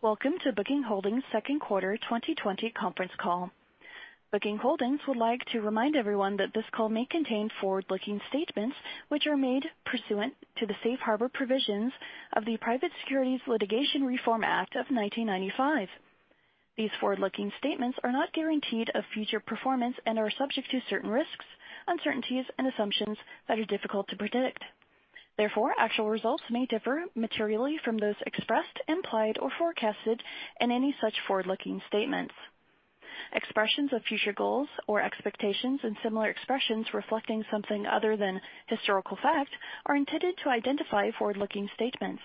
Welcome to Booking Holdings Second Quarter 2020 Conference Call. Booking Holdings would like to remind everyone that this call may contain forward-looking statements which are made pursuant to the safe harbor provisions of the Private Securities Litigation Reform Act of 1995. These forward-looking statements are not guaranteed of future performance and are subject to certain risks, uncertainties, and assumptions that are difficult to predict. Therefore, actual results may differ materially from those expressed, implied, or forecasted in any such forward-looking statements. Expressions of future goals or expectations and similar expressions reflecting something other than historical fact are intended to identify forward-looking statements.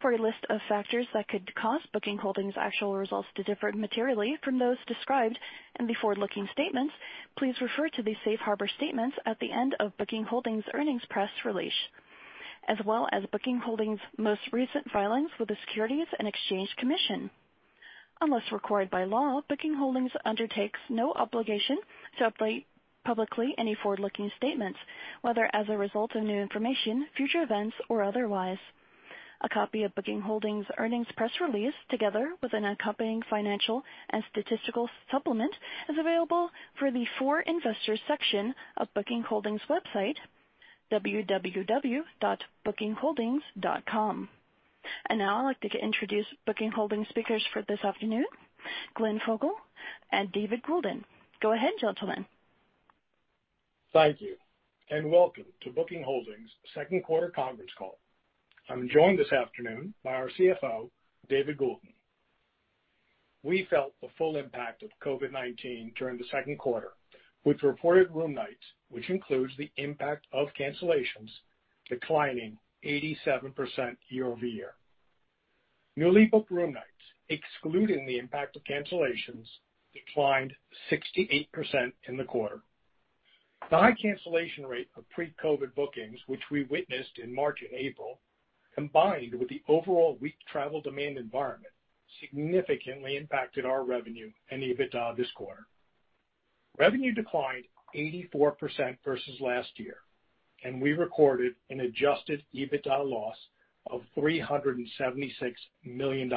For a list of factors that could cause Booking Holdings actual results to differ materially from those described in the forward-looking statements, please refer to the safe harbor statements at the end of Booking Holdings earnings press release, as well as Booking Holdings most recent filings with the Securities and Exchange Commission. Unless required by law, Booking Holdings undertakes no obligation to update publicly any forward-looking statements, whether as a result of new information, future events, or otherwise. A copy of Booking Holdings earnings press release, together with an accompanying financial and statistical supplement, is available for the For Investors section of Booking Holdings website, www.bookingholdings.com. Now I'd like to introduce Booking Holdings speakers for this afternoon, Glenn Fogel and David Goulden. Go ahead, gentlemen. Thank you. Welcome to Booking Holdings second quarter conference call. I'm joined this afternoon by our CFO, David Goulden. We felt the full impact of COVID-19 during the second quarter with reported room nights, which includes the impact of cancellations, declining 87% year-over-year. Newly booked room nights, excluding the impact of cancellations, declined 68% in the quarter. The high cancellation rate of pre-COVID bookings, which we witnessed in March and April, combined with the overall weak travel demand environment, significantly impacted our revenue and EBITDA this quarter. Revenue declined 84% versus last year. We recorded an adjusted EBITDA loss of $376 million,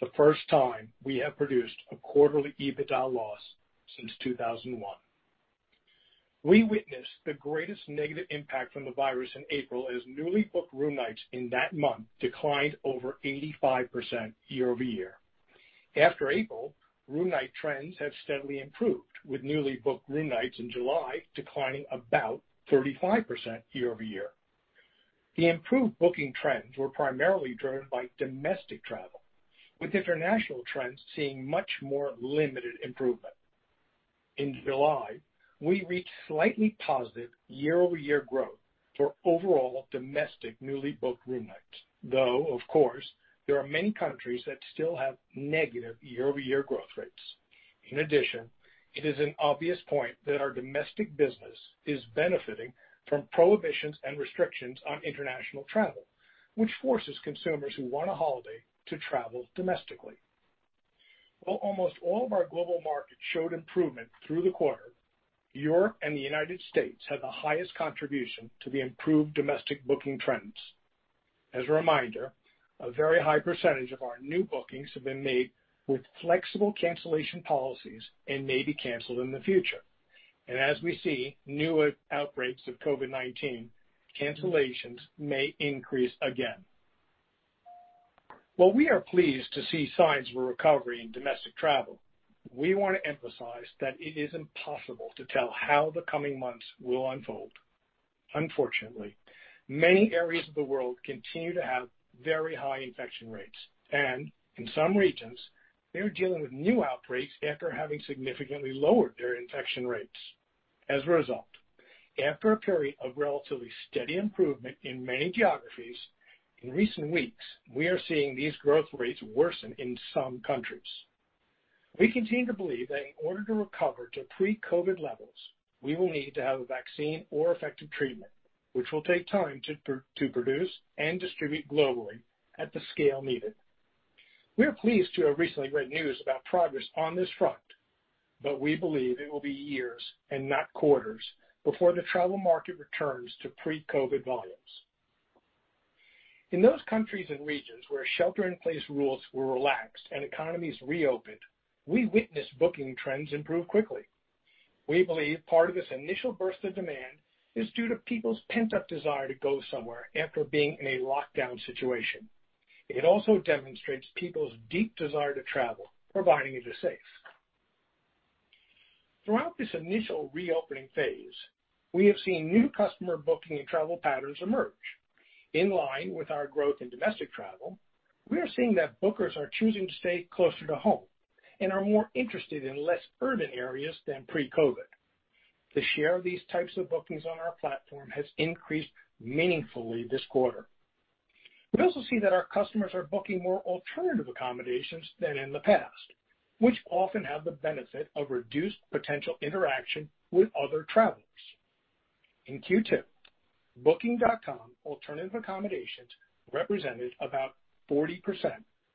the first time we have produced a quarterly EBITDA loss since 2001. We witnessed the greatest negative impact from the virus in April as newly booked room nights in that month declined over 85% year-over-year. After April, room night trends have steadily improved, with newly booked room nights in July declining about 35% year-over-year. The improved booking trends were primarily driven by domestic travel, with international trends seeing much more limited improvement. In July, we reached slightly positive year-over-year growth for overall domestic newly booked room nights, though, of course, there are many countries that still have negative year-over-year growth rates. In addition, it is an obvious point that our domestic business is benefiting from prohibitions and restrictions on international travel, which forces consumers who want a holiday to travel domestically. While almost all of our global markets showed improvement through the quarter, Europe and the United States had the highest contribution to the improved domestic booking trends. As a reminder, a very high percentage of our new bookings have been made with flexible cancellation policies and may be canceled in the future. As we see new outbreaks of COVID-19, cancellations may increase again. While we are pleased to see signs of a recovery in domestic travel, we want to emphasize that it is impossible to tell how the coming months will unfold. Unfortunately, many areas of the world continue to have very high infection rates, and in some regions, they are dealing with new outbreaks after having significantly lowered their infection rates. As a result, after a period of relatively steady improvement in many geographies, in recent weeks, we are seeing these growth rates worsen in some countries. We continue to believe that in order to recover to pre-COVID levels, we will need to have a vaccine or effective treatment, which will take time to produce and distribute globally at the scale needed. We are pleased to have recently read news about progress on this front, but we believe it will be years and not quarters before the travel market returns to pre-COVID volumes. In those countries and regions where shelter-in-place rules were relaxed and economies reopened, we witnessed booking trends improve quickly. We believe part of this initial burst of demand is due to people's pent-up desire to go somewhere after being in a lockdown situation. It also demonstrates people's deep desire to travel, providing it is safe. Throughout this initial reopening phase, we have seen new customer booking and travel patterns emerge. In line with our growth in domestic travel, we are seeing that bookers are choosing to stay closer to home and are more interested in less urban areas than pre-COVID. The share of these types of bookings on our platform has increased meaningfully this quarter. We also see that our customers are booking more alternative accommodations than in the past, which often have the benefit of reduced potential interaction with other travelers. In Q2, Booking.com alternative accommodations represented about 40%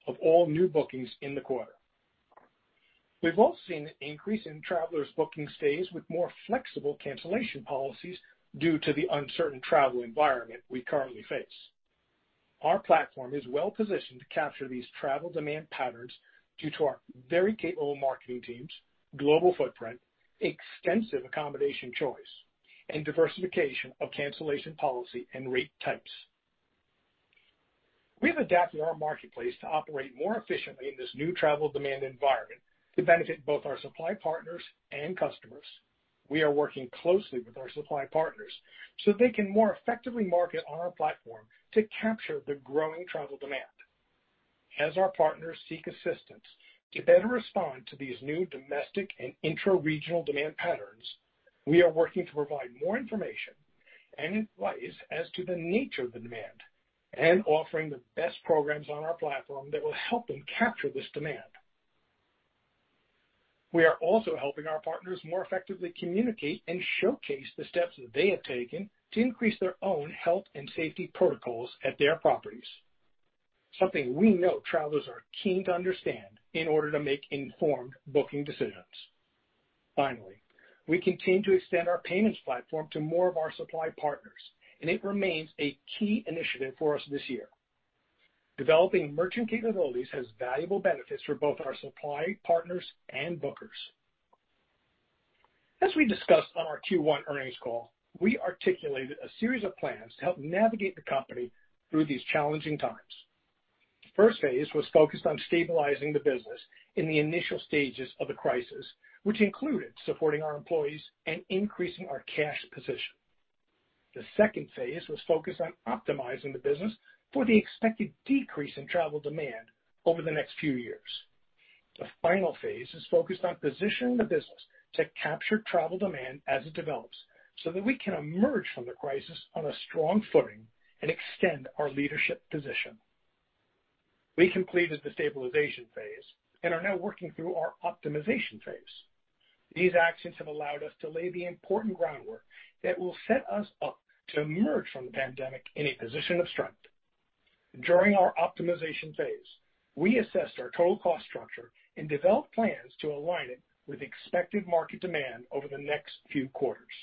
of all new bookings in the quarter. We've also seen an increase in travelers booking stays with more flexible cancellation policies due to the uncertain travel environment we currently face. Our platform is well-positioned to capture these travel demand patterns due to our very capable marketing teams, global footprint, extensive accommodation choice, and diversification of cancellation policy and rate types. We have adapted our marketplace to operate more efficiently in this new travel demand environment to benefit both our supply partners and customers. We are working closely with our supply partners so they can more effectively market on our platform to capture the growing travel demand. As our partners seek assistance to better respond to these new domestic and intra-regional demand patterns, we are working to provide more information and advice as to the nature of the demand and offering the best programs on our platform that will help them capture this demand. We are also helping our partners more effectively communicate and showcase the steps that they have taken to increase their own health and safety protocols at their properties, something we know travelers are keen to understand in order to make informed booking decisions. Finally, we continue to extend our payments platform to more of our supply partners, and it remains a key initiative for us this year. Developing merchant capabilities has valuable benefits for both our supply partners and bookers. As we discussed on our Q1 earnings call, we articulated a series of plans to help navigate the company through these challenging times. The first phase was focused on stabilizing the business in the initial stages of the crisis, which included supporting our employees and increasing our cash position. The second phase was focused on optimizing the business for the expected decrease in travel demand over the next few years. The final phase is focused on positioning the business to capture travel demand as it develops, so that we can emerge from the crisis on a strong footing and extend our leadership position. We completed the stabilization phase and are now working through our optimization phase. These actions have allowed us to lay the important groundwork that will set us up to emerge from the pandemic in a position of strength. During our optimization phase, we assessed our total cost structure and developed plans to align it with expected market demand over the next few quarters.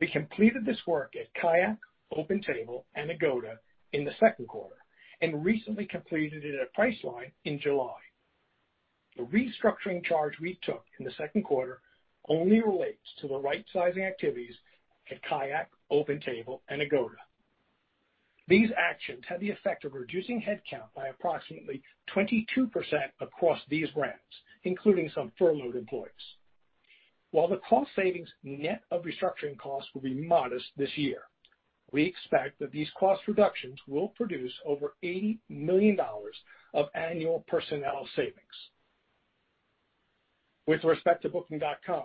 We completed this work at KAYAK, OpenTable, and Agoda in the second quarter, and recently completed it at Priceline in July. The restructuring charge we took in the second quarter only relates to the right-sizing activities at KAYAK, OpenTable, and Agoda. These actions had the effect of reducing headcount by approximately 22% across these brands, including some furloughed employees. While the cost savings net of restructuring costs will be modest this year, we expect that these cost reductions will produce over $80 million of annual personnel savings. With respect to Booking.com,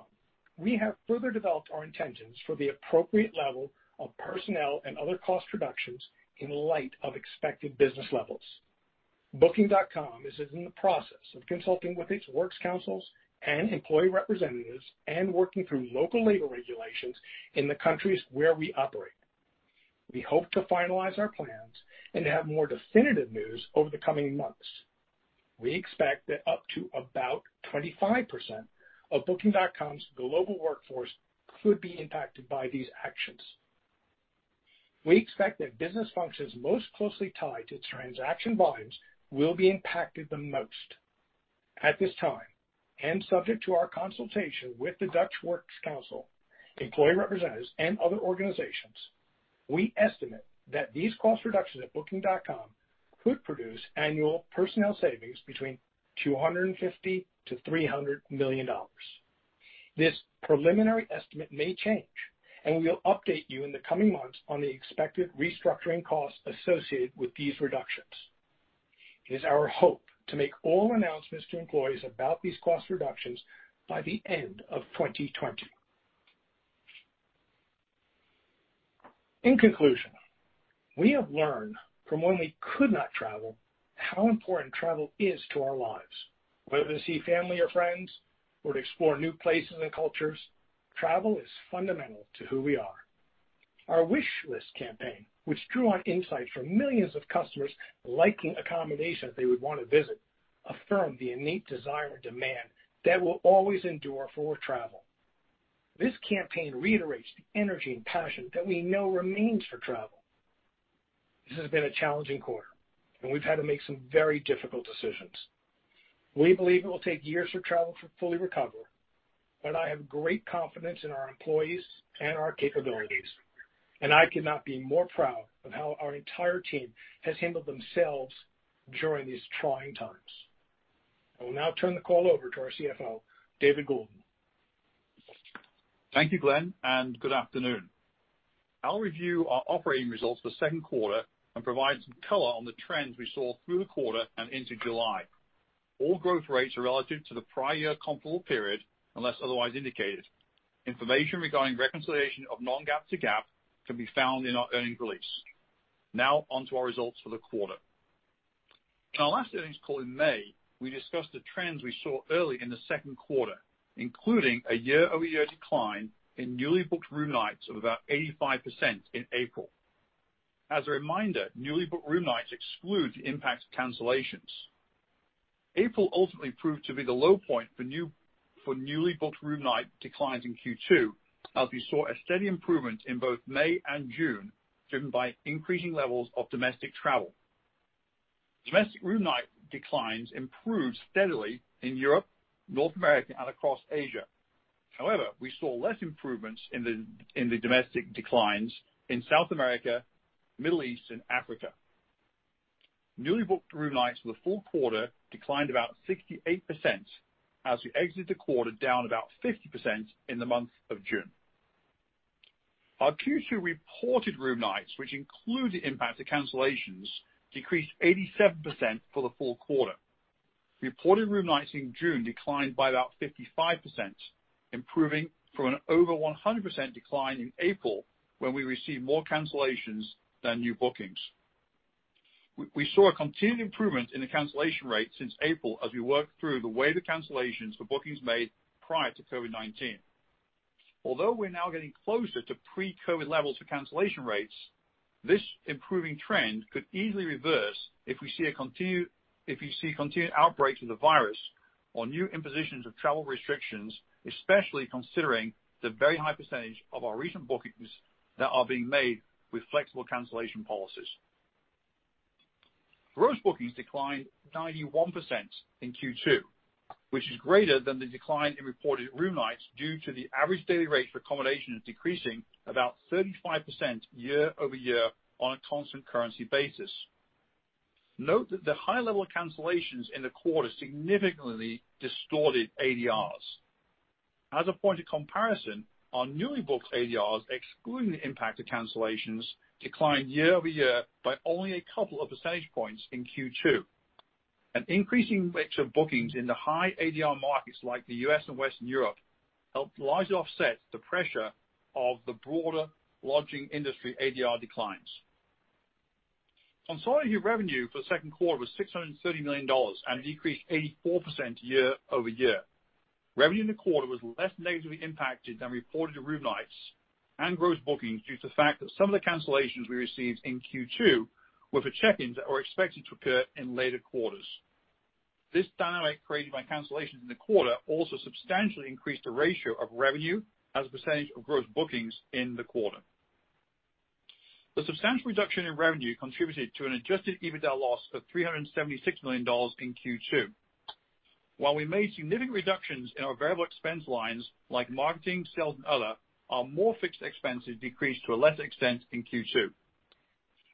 we have further developed our intentions for the appropriate level of personnel and other cost reductions in light of expected business levels. Booking.com is in the process of consulting with its works councils and employee representatives and working through local labor regulations in the countries where we operate. We hope to finalize our plans and to have more definitive news over the coming months. We expect that up to about 25% of Booking.com's global workforce could be impacted by these actions. We expect that business functions most closely tied to transaction volumes will be impacted the most. At this time, and subject to our consultation with the Dutch Works Council, employee representatives, and other organizations, we estimate that these cost reductions at Booking.com could produce annual personnel savings between $250 million-$300 million. This preliminary estimate may change, and we will update you in the coming months on the expected restructuring costs associated with these reductions. It is our hope to make all announcements to employees about these cost reductions by the end of 2020. In conclusion, we have learned from when we could not travel how important travel is to our lives. Whether to see family or friends or to explore new places and cultures, travel is fundamental to who we are. Our Wish List campaign, which drew on insights from millions of customers liking accommodations they would want to visit, affirmed the innate desire and demand that will always endure for travel. This campaign reiterates the energy and passion that we know remains for travel. This has been a challenging quarter, and we've had to make some very difficult decisions. We believe it will take years for travel to fully recover, but I have great confidence in our employees and our capabilities, and I could not be more proud of how our entire team has handled themselves during these trying times. I will now turn the call over to our CFO, David Goulden. Thank you, Glenn, and good afternoon. I'll review our operating results for the second quarter and provide some color on the trends we saw through the quarter and into July. All growth rates are relative to the prior comparable period, unless otherwise indicated. Information regarding reconciliation of non-GAAP to GAAP can be found in our earnings release. Now on to our results for the quarter. In our last earnings call in May, we discussed the trends we saw early in the second quarter, including a year-over-year decline in newly booked room nights of about 85% in April. As a reminder, newly booked room nights exclude the impact of cancellations. April ultimately proved to be the low point for newly booked room night declines in Q2, as we saw a steady improvement in both May and June, driven by increasing levels of domestic travel. Domestic room night declines improved steadily in Europe, North America, and across Asia. However, we saw less improvements in the domestic declines in South America, Middle East, and Africa. Newly booked room nights for the full quarter declined about 68%, as we exited the quarter down about 50% in the month of June. Our Q2 reported room nights, which include the impact of cancellations, decreased 87% for the full quarter. Reported room nights in June declined by about 55%, improving from an over 100% decline in April, when we received more cancellations than new bookings. We saw a continued improvement in the cancellation rate since April as we worked through the wave of cancellations for bookings made prior to COVID-19. Although we're now getting closer to pre-COVID-19 levels for cancellation rates, this improving trend could easily reverse if we see continued outbreaks of the virus or new impositions of travel restrictions, especially considering the very high percentage of our recent bookings that are being made with flexible cancellation policies. Gross bookings declined 91% in Q2, which is greater than the decline in reported room nights due to the average daily rates for accommodation decreasing about 35% year-over-year on a constant currency basis. Note that the high level of cancellations in the quarter significantly distorted ADRs. As a point of comparison, our newly booked ADRs, excluding the impact of cancellations, declined year-over-year by only a couple of percentage points in Q2. An increasing mix of bookings in the high ADR markets like the U.S. and Western Europe helped largely offset the pressure of the broader lodging industry ADR declines. Consolidated revenue for the second quarter was $630 million and decreased 84% year-over-year. Revenue in the quarter was less negatively impacted than reported room nights and gross bookings due to the fact that some of the cancellations we received in Q2 were for check-ins that were expected to occur in later quarters. This dynamic created by cancellations in the quarter also substantially increased the ratio of revenue as a percentage of gross bookings in the quarter. The substantial reduction in revenue contributed to an adjusted EBITDA loss of $376 million in Q2. While we made significant reductions in our variable expense lines like marketing, sales, and other, our more fixed expenses decreased to a lesser extent in Q2.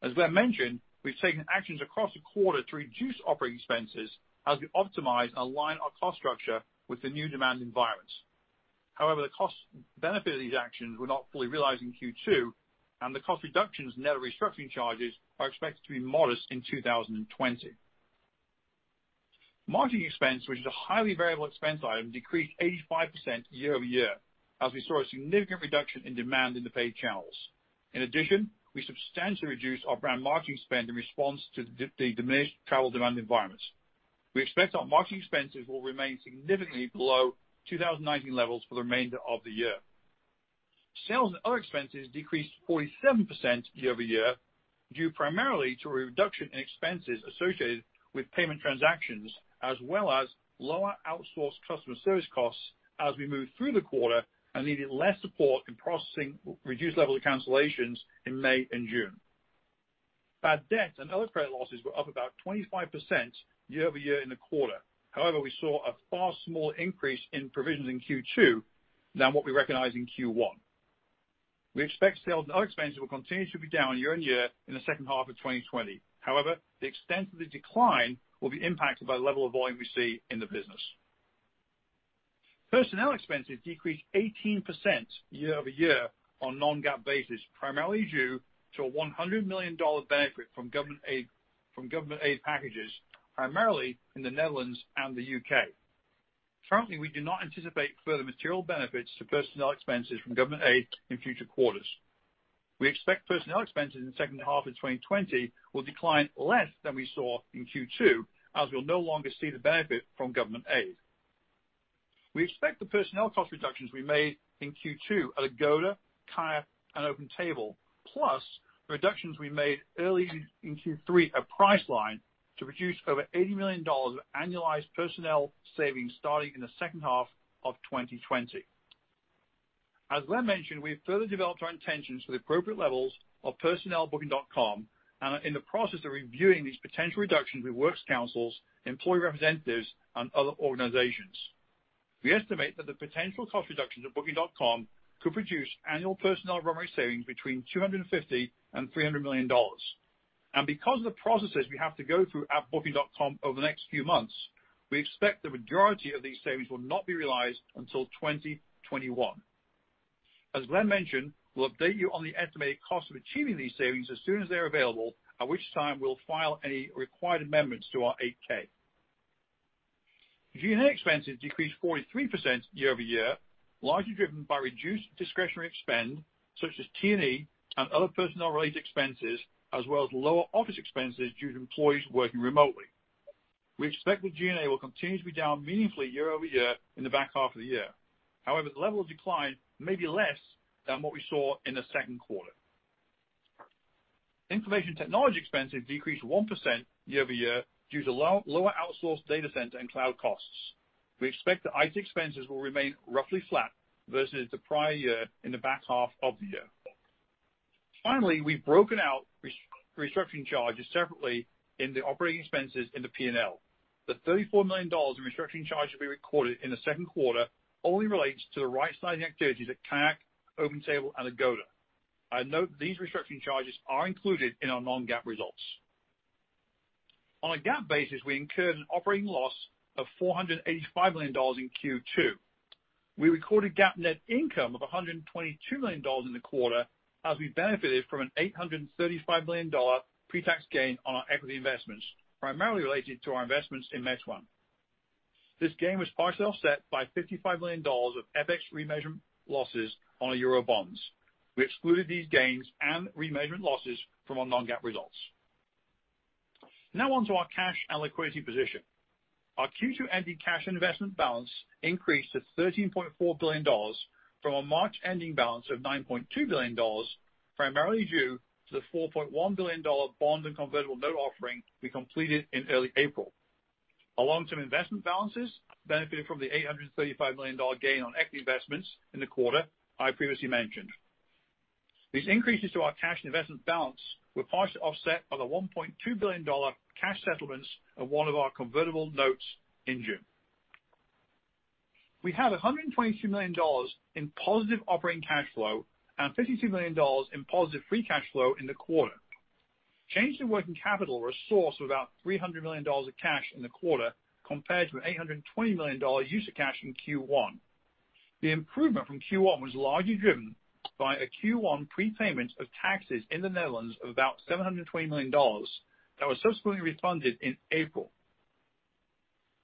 As Glenn mentioned, we've taken actions across the quarter to reduce operating expenses as we optimize and align our cost structure with the new demand environments. However, the cost benefit of these actions were not fully realized in Q2, and the cost reductions and net restructuring charges are expected to be modest in 2020. Marketing expense, which is a highly variable expense item, decreased 85% year-over-year as we saw a significant reduction in demand in the paid channels. In addition, we substantially reduced our brand marketing spend in response to the diminished travel demand environments. We expect our marketing expenses will remain significantly below 2019 levels for the remainder of the year. Sales and other expenses decreased 47% year-over-year, due primarily to a reduction in expenses associated with payment transactions as well as lower outsourced customer service costs as we moved through the quarter and needed less support in processing reduced levels of cancellations in May and June. Bad debt and other credit losses were up about 25% year-over-year in the quarter. However, we saw a far smaller increase in provisions in Q2 than what we recognized in Q1. We expect sales and other expenses will continue to be down year-over-year in the second half of 2020. However, the extent of the decline will be impacted by the level of volume we see in the business. Personnel expenses decreased 18% year-over-year on non-GAAP basis, primarily due to a $100 million benefit from government aid packages, primarily in the Netherlands and the U.K. Currently, we do not anticipate further material benefits to personnel expenses from government aid in future quarters. We expect personnel expenses in the second half of 2020 will decline less than we saw in Q2, as we'll no longer see the benefit from government aid. We expect the personnel cost reductions we made in Q2 at Agoda, KAYAK, and OpenTable, plus the reductions we made early in Q3 at Priceline to produce over $80 million of annualized personnel savings starting in the second half of 2020. As Glenn mentioned, we have further developed our intentions for the appropriate levels of personnel at Booking.com and are in the process of reviewing these potential reductions with works councils, employee representatives, and other organizations. We estimate that the potential cost reductions at Booking.com could produce annual personnel run rate savings between $250 million and $300 million. Because of the processes we have to go through at Booking.com over the next few months, we expect the majority of these savings will not be realized until 2021. As Glenn mentioned, we'll update you on the estimated cost of achieving these savings as soon as they're available, at which time we'll file any required amendments to our 8-K. G&A expenses decreased 43% year-over-year, largely driven by reduced discretionary spend, such as T&E and other personnel-related expenses, as well as lower office expenses due to employees working remotely. We expect that G&A will continue to be down meaningfully year-over-year in the back half of the year. However, the level of decline may be less than what we saw in the second quarter. Information technology expenses decreased 1% year-over-year due to lower outsourced data center and cloud costs. We expect the IT expenses will remain roughly flat versus the prior year in the back half of the year. Finally, we've broken out restructuring charges separately in the operating expenses in the P&L. The $34 million in restructuring charges we recorded in the second quarter only relates to the right-sizing activities at KAYAK, OpenTable and Agoda. I note these restructuring charges are included in our non-GAAP results. On a GAAP basis, we incurred an operating loss of $485 million in Q2. We recorded GAAP net income of $122 million in the quarter as we benefited from an $835 million pre-tax gain on our equity investments, primarily related to our investments in Meituan. This gain was partially offset by $55 million of FX remeasurement losses on our euro bonds. We excluded these gains and remeasurement losses from our non-GAAP results. On to our cash and liquidity position. Our Q2 ending cash investment balance increased to $13.4 billion from a March ending balance of $9.2 billion, primarily due to the $4.1 billion bonds and convertible note offering we completed in early April. Our long-term investment balances benefited from the $835 million gain on equity investments in the quarter I previously mentioned. These increases to our cash investment balance were partially offset by the $1.2 billion cash settlements of one of our convertible notes in June. We had $122 million in positive operating cash flow and $52 million in positive free cash flow in the quarter. Change in working capital was a source of about $300 million of cash in the quarter compared to an $820 million use of cash in Q1. The improvement from Q1 was largely driven by a Q1 prepayment of taxes in the Netherlands of about $720 million that was subsequently refunded in April.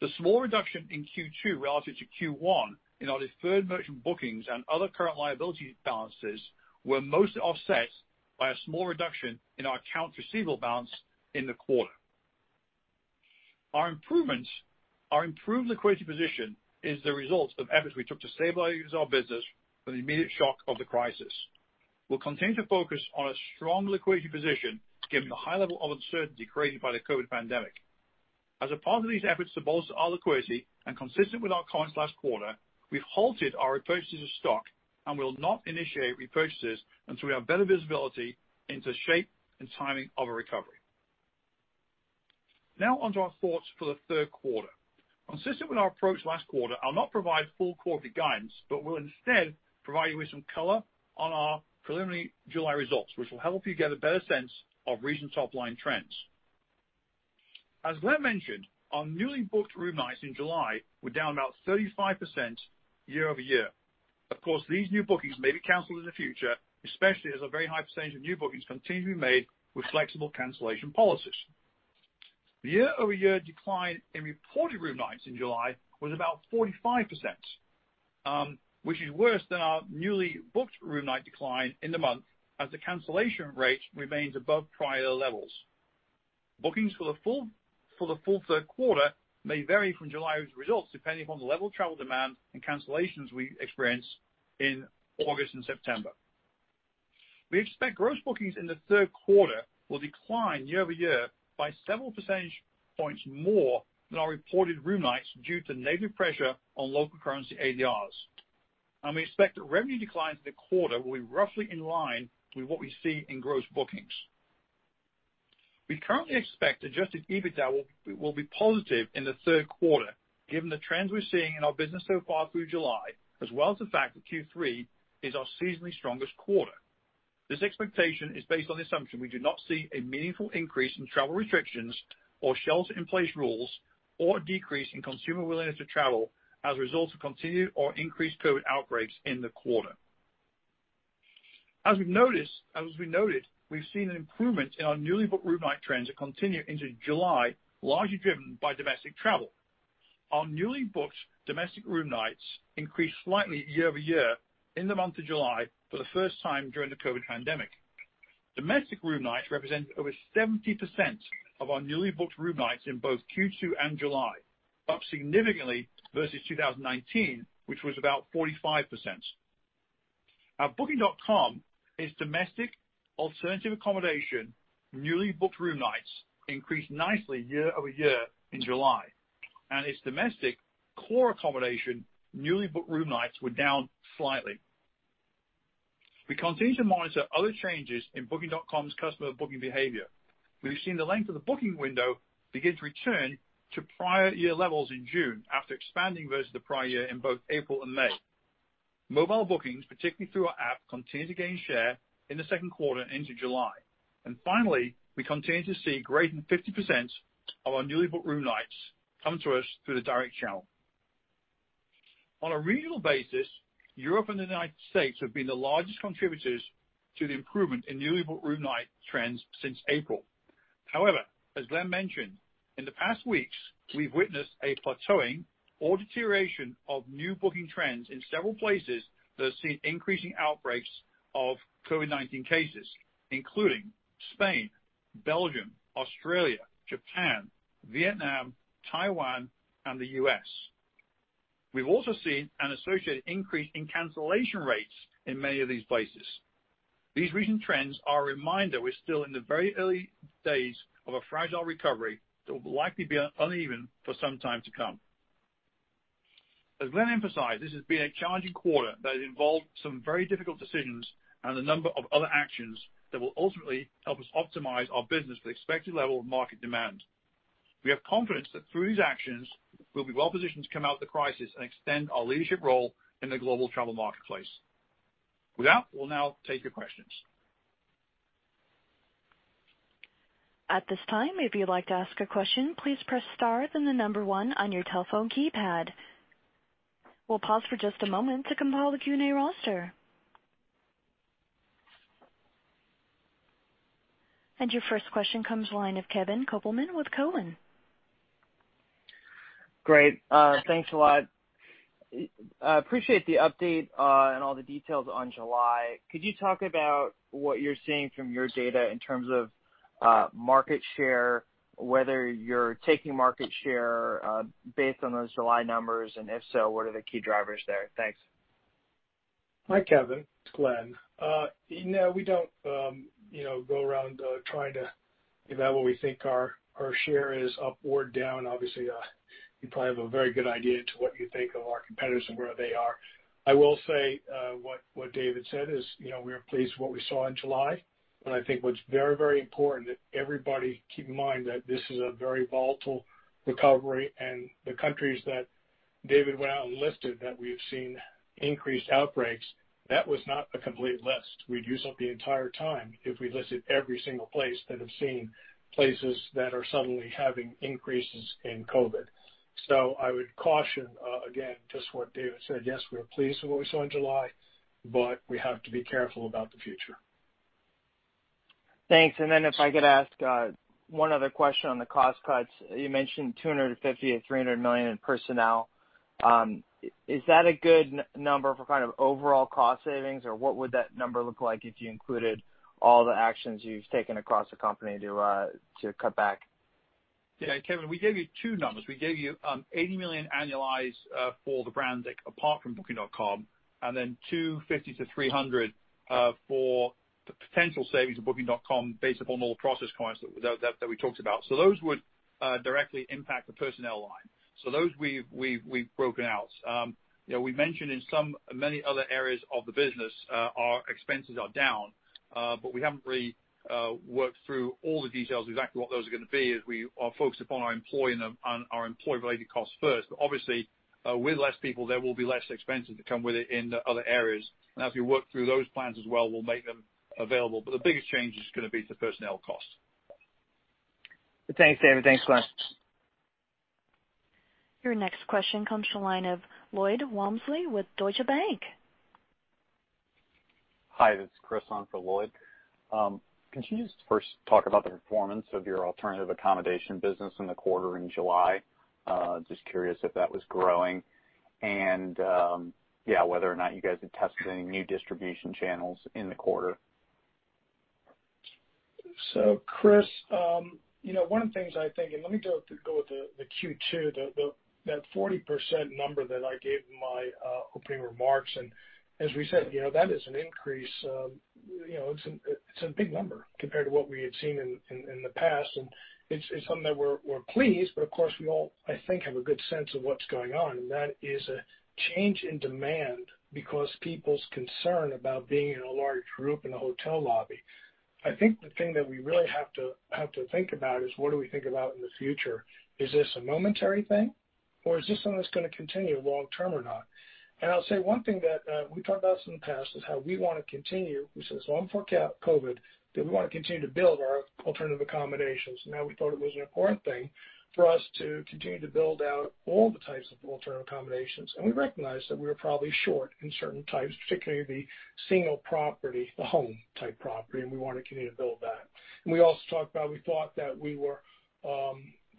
The small reduction in Q2 relative to Q1 in our deferred merchant bookings and other current liability balances were mostly offset by a small reduction in our accounts receivable balance in the quarter. Our improved liquidity position is the result of efforts we took to stabilize our business for the immediate shock of the crisis. We'll continue to focus on a strong liquidity position given the high level of uncertainty created by the COVID-19 pandemic. As a part of these efforts to bolster our liquidity and consistent with our comments last quarter, we've halted our repurchases of stock and will not initiate repurchases until we have better visibility into the shape and timing of a recovery. Now on to our thoughts for the third quarter. Consistent with our approach last quarter, I'll not provide full quarter guidance, but will instead provide you with some color on our preliminary July results, which will help you get a better sense of recent top-line trends. As Glenn mentioned, our newly booked room nights in July were down about 35% year-over-year. Of course, these new bookings may be canceled in the future, especially as a very high percent of new bookings continue to be made with flexible cancellation policies. The year-over-year decline in reported room nights in July was about 45%, which is worse than our newly booked room night decline in the month as the cancellation rate remains above prior levels. Bookings for the full third quarter may vary from July's results depending upon the level of travel demand and cancellations we experience in August and September. We expect gross bookings in the third quarter will decline year-over-year by several percentage points more than our reported room nights due to negative pressure on local currency ADRs. We expect that revenue declines in the quarter will be roughly in line with what we see in gross bookings. We currently expect adjusted EBITDA will be positive in the third quarter given the trends we're seeing in our business so far through July as well as the fact that Q3 is our seasonally strongest quarter. This expectation is based on the assumption we do not see a meaningful increase in travel restrictions or shelter in place rules or decrease in consumer willingness to travel as a result of continued or increased COVID outbreaks in the quarter. As we noted, we've seen an improvement in our newly booked room night trends that continue into July, largely driven by domestic travel. Our newly booked domestic room nights increased slightly year-over-year in the month of July for the first time during the COVID pandemic. Domestic room nights represent over 70% of our newly booked room nights in both Q2 and July, up significantly versus 2019, which was about 45%. At Booking.com, its domestic alternative accommodation newly booked room nights increased nicely year-over-year in July, and its domestic core accommodation newly booked room nights were down slightly. We continue to monitor other changes in Booking.com's customer booking behavior. We've seen the length of the booking window begin to return to prior year levels in June after expanding versus the prior year in both April and May. Mobile bookings, particularly through our app, continued to gain share in the second quarter into July. Finally, we continue to see greater than 50% of our newly booked room nights come to us through the direct channel. On a regional basis, Europe and the United States have been the largest contributors to the improvement in newly booked room night trends since April. However, as Glenn mentioned, in the past weeks, we've witnessed a plateauing or deterioration of new booking trends in several places that have seen increasing outbreaks of COVID-19 cases, including Spain, Belgium, Australia, Japan, Vietnam, Taiwan, and the U.S. We've also seen an associated increase in cancellation rates in many of these places. These recent trends are a reminder we're still in the very early days of a fragile recovery that will likely be uneven for some time to come. As Glenn emphasized, this has been a challenging quarter that has involved some very difficult decisions and a number of other actions that will ultimately help us optimize our business for the expected level of market demand. We have confidence that through these actions, we'll be well-positioned to come out of the crisis and extend our leadership role in the global travel marketplace. With that, we'll now take your questions. At this time, if you would like to ask a question, please press star then the number one on your telephone keypad. We'll pause for just a moment to compile the Q&A roster. Your first question comes the line of Kevin Kopelman with Cowen. Great. Thanks a lot. Appreciate the update, and all the details on July. Could you talk about what you're seeing from your data in terms of market share, whether you're taking market share based on those July numbers, and if so, what are the key drivers there? Thanks. Hi, Kevin. It's Glenn. We don't go around trying to give out what we think our share is up or down. You probably have a very good idea to what you think of our competitors and where they are. I will say, what David said is we are pleased with what we saw in July. I think what's very important that everybody keep in mind that this is a very volatile recovery. The countries that David went out and listed that we have seen increased outbreaks, that was not a complete list. We'd use up the entire time if we listed every single place that have seen places that are suddenly having increases in COVID. I would caution, again, just what David said. Yes, we are pleased with what we saw in July. We have to be careful about the future. Thanks. If I could ask one other question on the cost cuts. You mentioned $250 million-$300 million in personnel. Is that a good number for kind of overall cost savings, or what would that number look like if you included all the actions you've taken across the company to cut back? Yeah. Kevin, we gave you two numbers. We gave you $80 million annualized for the brands apart from Booking.com, and then $250 million-$300 million for the potential savings of Booking.com based upon all the process costs that we talked about. Those would directly impact the personnel line. Those we've broken out. We mentioned in many other areas of the business, our expenses are down, but we haven't really worked through all the details of exactly what those are gonna be as we are focused upon our employee and our employee-related costs first. Obviously, with less people, there will be less expenses that come with it in the other areas. As we work through those plans as well, we'll make them available. The biggest change is gonna be to personnel costs. Thanks, David. Thanks, Glenn. Your next question comes from the line of Lloyd Walmsley with Deutsche Bank. Hi, this is Chris on for Lloyd. Can you just first talk about the performance of your alternative accommodation business in the quarter in July? Just curious if that was growing and whether or not you guys had tested any new distribution channels in the quarter. Chris, one of the things I think, let me go with the Q2, that 40% number that I gave in my opening remarks. As we said, that is an increase. It's a big number compared to what we had seen in the past. It's something that we're pleased. Of course, we all, I think, have a good sense of what's going on. That is a change in demand because people's concern about being in a large group in a hotel lobby. I think the thing that we really have to think about is what do we think about in the future? Is this a momentary thing, or is this something that's gonna continue long-term or not? I'll say one thing that we talked about this in the past is how we want to continue, which is long before COVID, that we want to continue to build our alternative accommodations. We thought it was an important thing for us to continue to build out all the types of alternative accommodations. We recognized that we were probably short in certain types, particularly the single property, the home type property, and we want to continue to build that. We also talked about, we thought that we were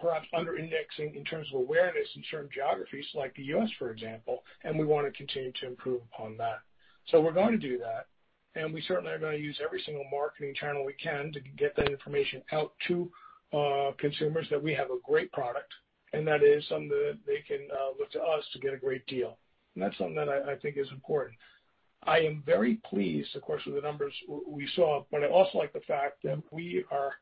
perhaps under-indexing in terms of awareness in certain geographies like the U.S., for example, and we want to continue to improve upon that. We're going to do that, and we certainly are going to use every single marketing channel we can to get that information out to consumers that we have a great product, and that is something that they can look to us to get a great deal. That's something that I think is important. I am very pleased, of course, with the numbers we saw, but I also like the fact that we are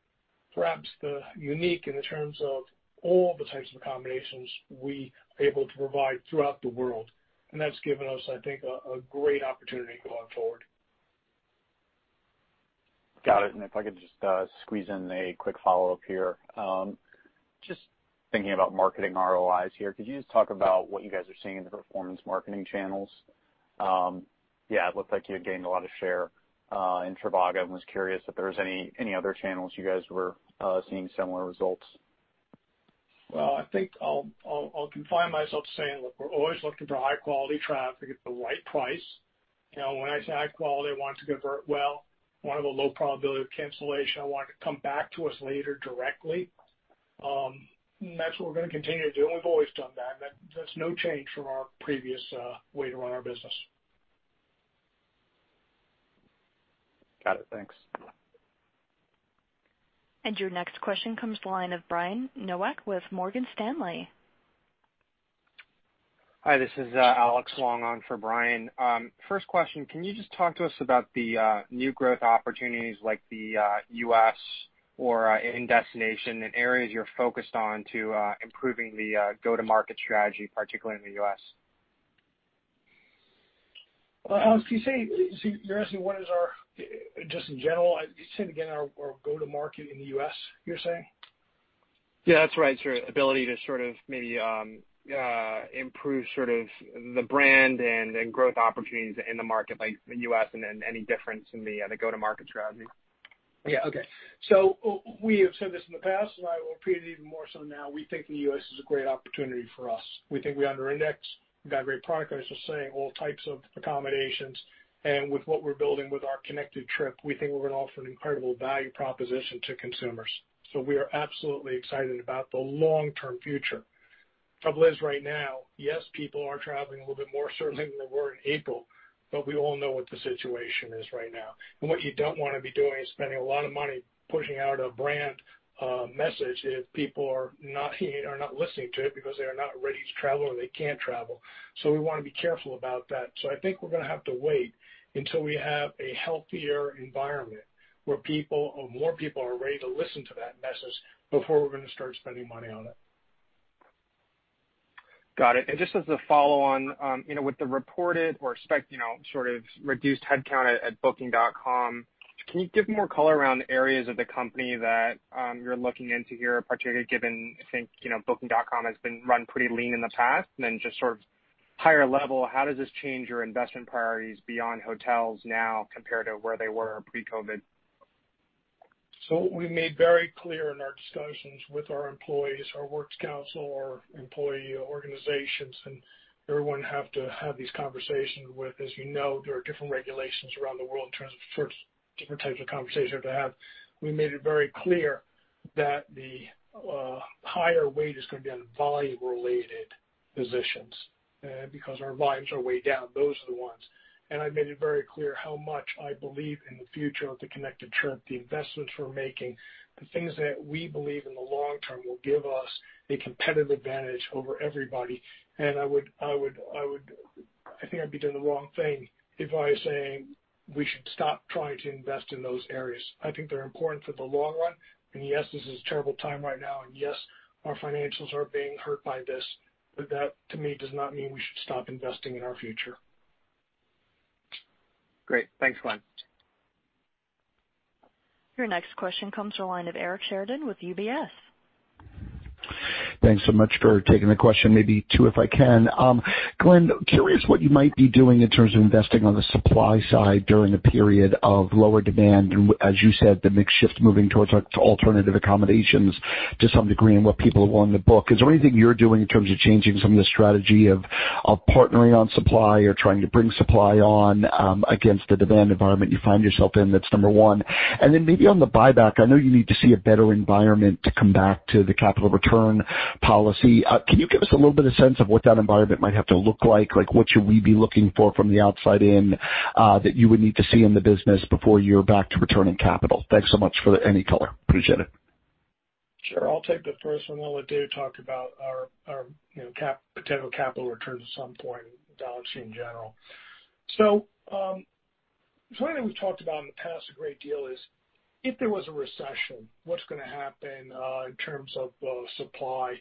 perhaps the unique in the terms of all the types of accommodations we are able to provide throughout the world. That's given us, I think, a great opportunity going forward. Got it. If I could just squeeze in a quick follow-up here. Just thinking about marketing ROIs here, could you just talk about what you guys are seeing in the performance marketing channels? It looked like you had gained a lot of share in trivago, and was curious if there was any other channels you guys were seeing similar results. Well, I think I'll confine myself to saying, look, we're always looking for high-quality traffic at the right price. When I say high quality, I want it to convert well. I want to have a low probability of cancellation. I want it to come back to us later directly. That's what we're gonna continue doing. We've always done that, and that's no change from our previous way to run our business. Got it. Thanks. Your next question comes to the line of Brian Nowak with Morgan Stanley. Hi, this is Alex Longo on for Brian. First question, can you just talk to us about the new growth opportunities like the U.S. or in destination and areas you're focused on to improving the go-to-market strategy, particularly in the U.S.? Alex, you're asking what is our, just in general, say it again, our go-to-market in the U.S., you're saying? Yeah, that's right. Your ability to sort of maybe improve sort of the brand and growth opportunities in the market, like the U.S., and then any difference in the go-to-market strategy. Yeah. Okay. We have said this in the past, and I will repeat it even more so now, we think the U.S. is a great opportunity for us. We think we under-index. We got a great product, as I was saying, all types of accommodations, and with what we're building with our Connected Trip, we think we're going to offer an incredible value proposition to consumers. We are absolutely excited about the long-term future. The trouble is right now, yes, people are traveling a little bit more certainly than they were in April, but we all know what the situation is right now. What you don't want to be doing is spending a lot of money pushing out a brand message if people are not listening to it because they are not ready to travel, or they can't travel. We want to be careful about that. I think we're going to have to wait until we have a healthier environment where more people are ready to listen to that message before we're going to start spending money on it. Got it. Just as a follow-on, with the reported or expected sort of reduced headcount at Booking.com, can you give more color around the areas of the company that you're looking into here, particularly given I think, Booking.com has been run pretty lean in the past, and then just sort of higher level, how does this change your investment priorities beyond hotels now compared to where they were pre-COVID? We made very clear in our discussions with our employees, our Works Council, our employee organizations, and everyone have to have these conversations with. You know, there are different regulations around the world in terms of different types of conversations you have to have. We made it very clear that the higher weight is going to be on volume-related positions because our volumes are way down. Those are the ones. I made it very clear how much I believe in the future of the Connected Trip, the investments we're making, the things that we believe in the long term will give us a competitive advantage over everybody. I think I'd be doing the wrong thing if I was saying we should stop trying to invest in those areas. I think they're important for the long run. Yes, this is a terrible time right now. Yes, our financials are being hurt by this. That, to me, does not mean we should stop investing in our future. Great. Thanks, Glenn. Your next question comes from the line of Eric Sheridan with UBS. Thanks so much for taking the question. Maybe two, if I can. Glenn, curious what you might be doing in terms of investing on the supply side during a period of lower demand, as you said, the mix shift moving towards alternative accommodations to some degree and what people have on the book. Is there anything you're doing in terms of changing some of the strategy of partnering on supply or trying to bring supply on against the demand environment you find yourself in? That's number one. Then maybe on the buyback, I know you need to see a better environment to come back to the capital return policy. Can you give us a little bit of sense of what that environment might have to look like? What should we be looking for from the outside in that you would need to see in the business before you're back to returning capital? Thanks so much for any color. Appreciate it. I'll take the first one, then I'll let Dave talk about our potential capital returns at some point and balancing in general. Something that we've talked about in the past a great deal is if there was a recession, what's going to happen in terms of supply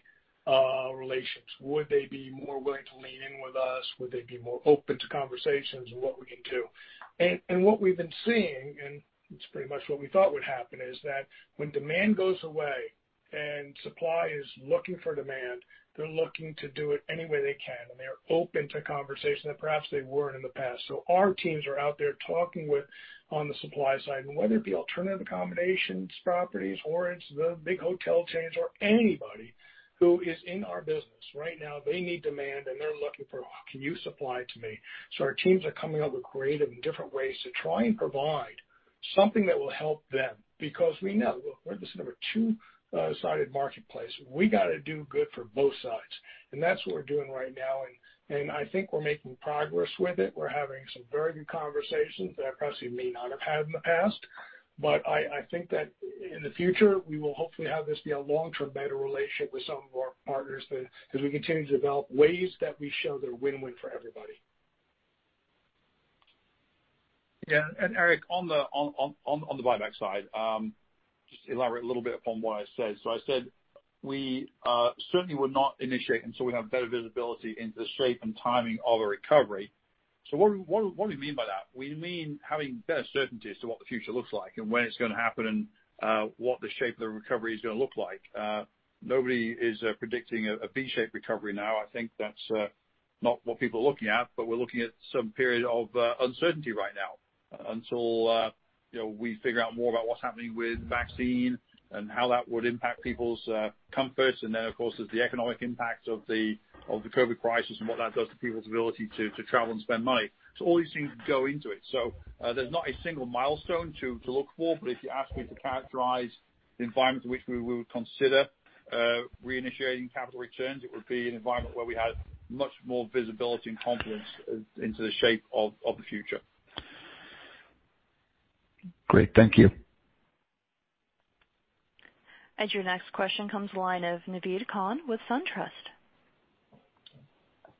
relations? Would they be more willing to lean in with us? Would they be more open to conversations on what we can do? What we've been seeing, and it's pretty much what we thought would happen, is that when demand goes away and supply is looking for demand, they're looking to do it any way they can, and they're open to conversation that perhaps they weren't in the past. Our teams are out there talking with on the supply side, and whether it be alternative accommodations properties or it's the big hotel chains or anybody who is in our business right now, they need demand, and they're looking for, "Can you supply to me?" Our teams are coming up with creative and different ways to try and provide something that will help them because we know, look, we're this number two-sided marketplace. We got to do good for both sides, and that's what we're doing right now, and I think we're making progress with it. We're having some very good conversations that I possibly may not have had in the past, but I think that in the future, we will hopefully have this be a long-term better relationship with some of our partners as we continue to develop ways that we show they're win-win for everybody. Yeah. Eric, on the buyback side, just to elaborate a little bit upon what I said. I said we certainly would not initiate until we have better visibility into the shape and timing of a recovery. What do we mean by that? We mean having better certainty as to what the future looks like and when it's going to happen and what the shape of the recovery is going to look like. Nobody is predicting a V-shaped recovery now. I think that's not what people are looking at, but we're looking at some period of uncertainty right now until we figure out more about what's happening with vaccine and how that would impact people's comforts, and then, of course, there's the economic impact of the COVID-19 crisis and what that does to people's ability to travel and spend money. All these things go into it. There's not a single milestone to look for, but if you ask me to characterize the environment in which we would consider reinitiating capital returns. It would be an environment where we had much more visibility and confidence into the shape of the future. Great. Thank you. Your next question comes from the line of Naved Khan with SunTrust.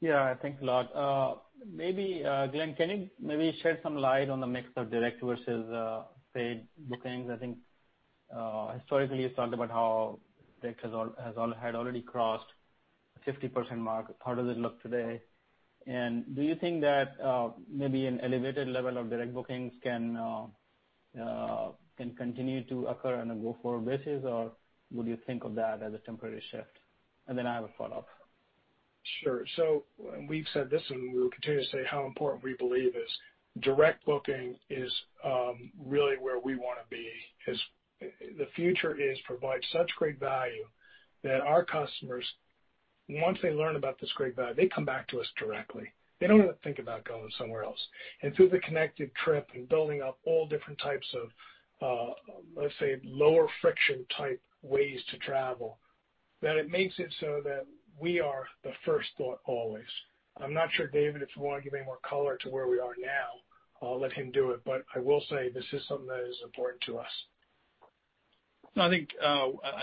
Yeah. Thanks a lot. Maybe, Glenn, can you maybe shed some light on the mix of direct versus paid bookings? I think historically you've talked about how direct had already crossed 50% mark. How does it look today? Do you think that maybe an elevated level of direct bookings can continue to occur on a go-forward basis, or would you think of that as a temporary shift? I have a follow-up. Sure. We've said this, and we will continue to say how important we believe is direct booking is really where we want to be. The future is provide such great value that our customers, once they learn about this great value, they come back to us directly. They don't even think about going somewhere else. Through the Connected Trip and building up all different types of, let's say, lower friction type ways to travel, that it makes it so that we are the first thought always. I'm not sure, David, if you want to give any more color to where we are now, I'll let him do it. I will say this is something that is important to us. No, I think,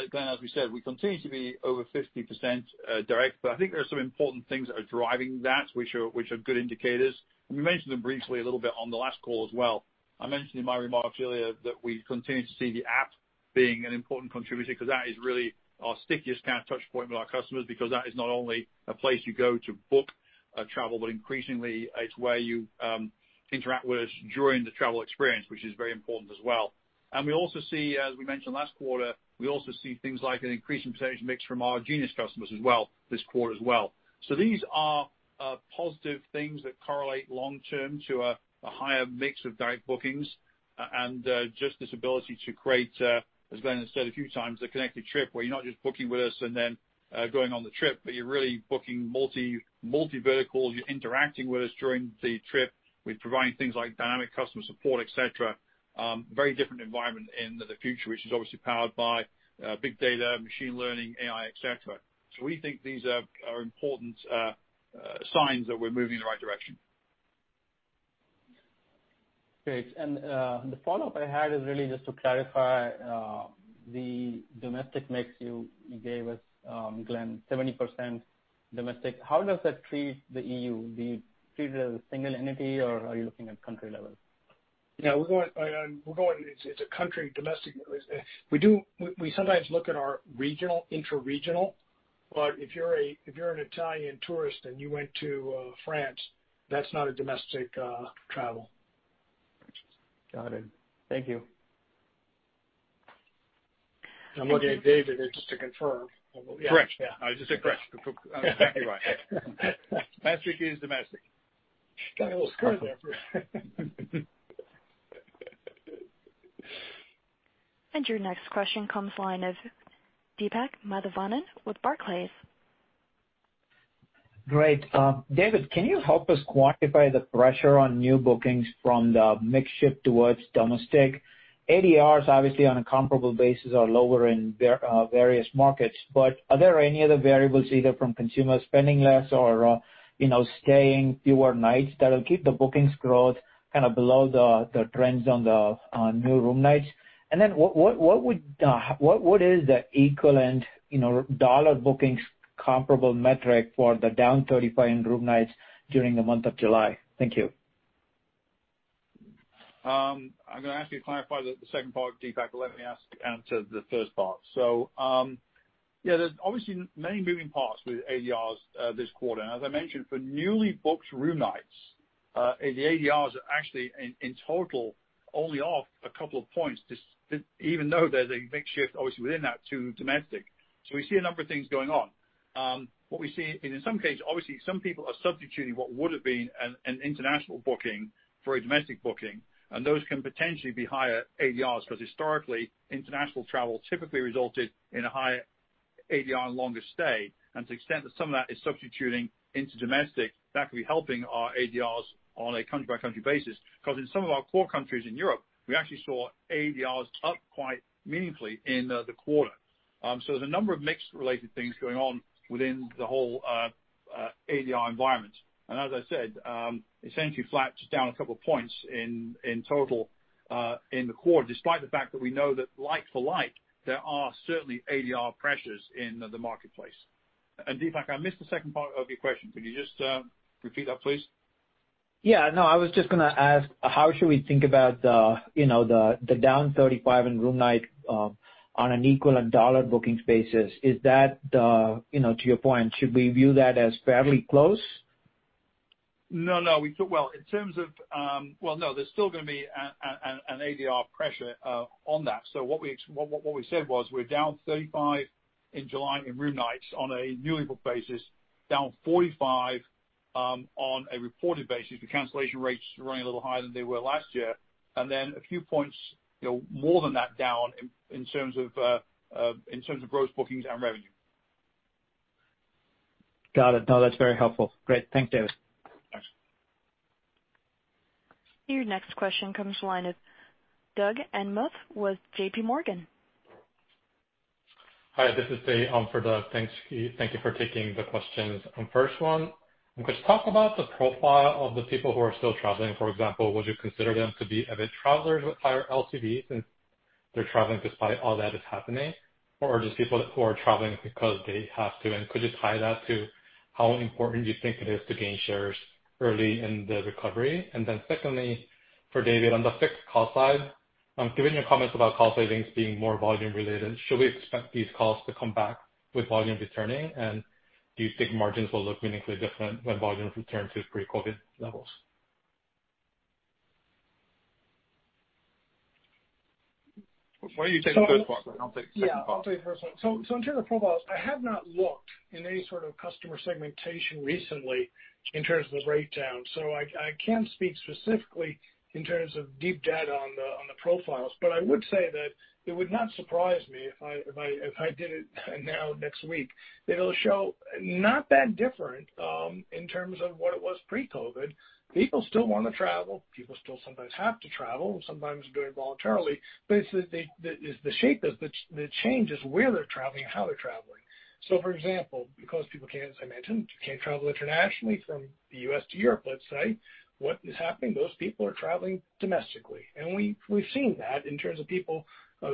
Glenn, as we said, we continue to be over 50% direct, but I think there are some important things that are driving that, which are good indicators. We mentioned them briefly a little bit on the last call as well. I mentioned in my remarks earlier that we continue to see the app being an important contributor because that is really our stickiest kind of touch point with our customers, because that is not only a place you go to book a travel, but increasingly it's where you interact with us during the travel experience, which is very important as well. We also see, as we mentioned last quarter, we also see things like an increasing percentage mix from our Genius customers as well this quarter as well. These are positive things that correlate long term to a higher mix of direct bookings and just this ability to create, as Glenn has said a few times, a Connected Trip where you're not just booking with us and then going on the trip, but you're really booking multi-vertical. You're interacting with us during the trip. We're providing things like dynamic customer support, etc. Very different environment in the future, which is obviously powered by big data, machine learning, AI, etc. We think these are important signs that we're moving in the right direction. Great. The follow-up I had is really just to clarify the domestic mix you gave us, Glenn, 70% domestic. How does that treat the EU? Do you treat it as a single entity, or are you looking at country level? It's a country domestic. We sometimes look at our regional, intra-regional, but if you're an Italian tourist and you went to France, that's not a domestic travel. Got it. Thank you. I'm looking at David there just to confirm. Yeah. Correct. I was just going to say correct. Exactly right. Domestic is domestic. Got a little scared there for a second. Your next question comes line of Deepak Mathivanan with Barclays. Great. David, can you help us quantify the pressure on new bookings from the mix shift towards domestic? ADRs obviously on a comparable basis are lower in various markets, but are there any other variables, either from consumers spending less or staying fewer nights that'll keep the bookings growth kind of below the trends on new room nights? What is the equivalent dollar bookings comparable metric for the down 35% in room nights during the month of July? Thank you. I'm going to ask you to clarify the second part, Deepak, but let me answer the first part. Yeah, there's obviously many moving parts with ADRs this quarter. As I mentioned, for newly booked room nights, the ADRs are actually in total only off a couple of points, even though there's a big shift obviously within that to domestic. We see a number of things going on. What we see in some cases, obviously some people are substituting what would have been an international booking for a domestic booking, and those can potentially be higher ADRs because historically, international travel typically resulted in a higher ADR and longer stay. To the extent that some of that is substituting into domestic, that could be helping our ADRs on a country-by-country basis. In some of our core countries in Europe, we actually saw ADRs up quite meaningfully in the quarter. There's a number of mix-related things going on within the whole ADR environment. As I said, essentially flat, just down a couple points in total in the quarter, despite the fact that we know that like for like, there are certainly ADR pressures in the marketplace. Deepak, I missed the second part of your question. Could you just repeat that, please? Yeah. No, I was just going to ask, how should we think about the down 35% in room night on an equivalent dollar bookings basis? To your point, should we view that as fairly close? No, no. Well, no, there's still going to be an ADR pressure on that. What we said was we're down 35% in July in room nights on a newly booked basis, down 45% on a reported basis. The cancellation rates are running a little higher than they were last year. A few points more than that down in terms of gross bookings and revenue. Got it. No, that's very helpful. Great. Thank you, David. Your next question comes to the line of Doug Anmuth with JPMorgan. Hi, this is Dave for Doug. Thanks. Thank you for taking the questions. First one, could you talk about the profile of the people who are still traveling? For example, would you consider them to be avid travelers with higher LTVs since they're traveling despite all that is happening, or just people who are traveling because they have to? Could you tie that to how important you think it is to gain shares early in the recovery? Secondly, for David, on the fixed cost side, given your comments about cost savings being more volume-related, should we expect these costs to come back with volume returning? Do you think margins will look meaningfully different when volume returns to pre-COVID levels? Why don't you take the first one, Glenn? I'll take the second part. I'll take the first one. In terms of profiles, I have not looked in any sort of customer segmentation recently in terms of the breakdown. I can't speak specifically in terms of deep data on the profiles. I would say that it would not surprise me if I did it now, next week, that it'll show not that different, in terms of what it was pre-COVID. People still want to travel, people still sometimes have to travel, sometimes doing it voluntarily. It's the shape of the change is where they're traveling and how they're traveling. For example, because people can't, as I mentioned, can't travel internationally from the U.S. to Europe, let's say, what is happening? Those people are traveling domestically. We've seen that in terms of people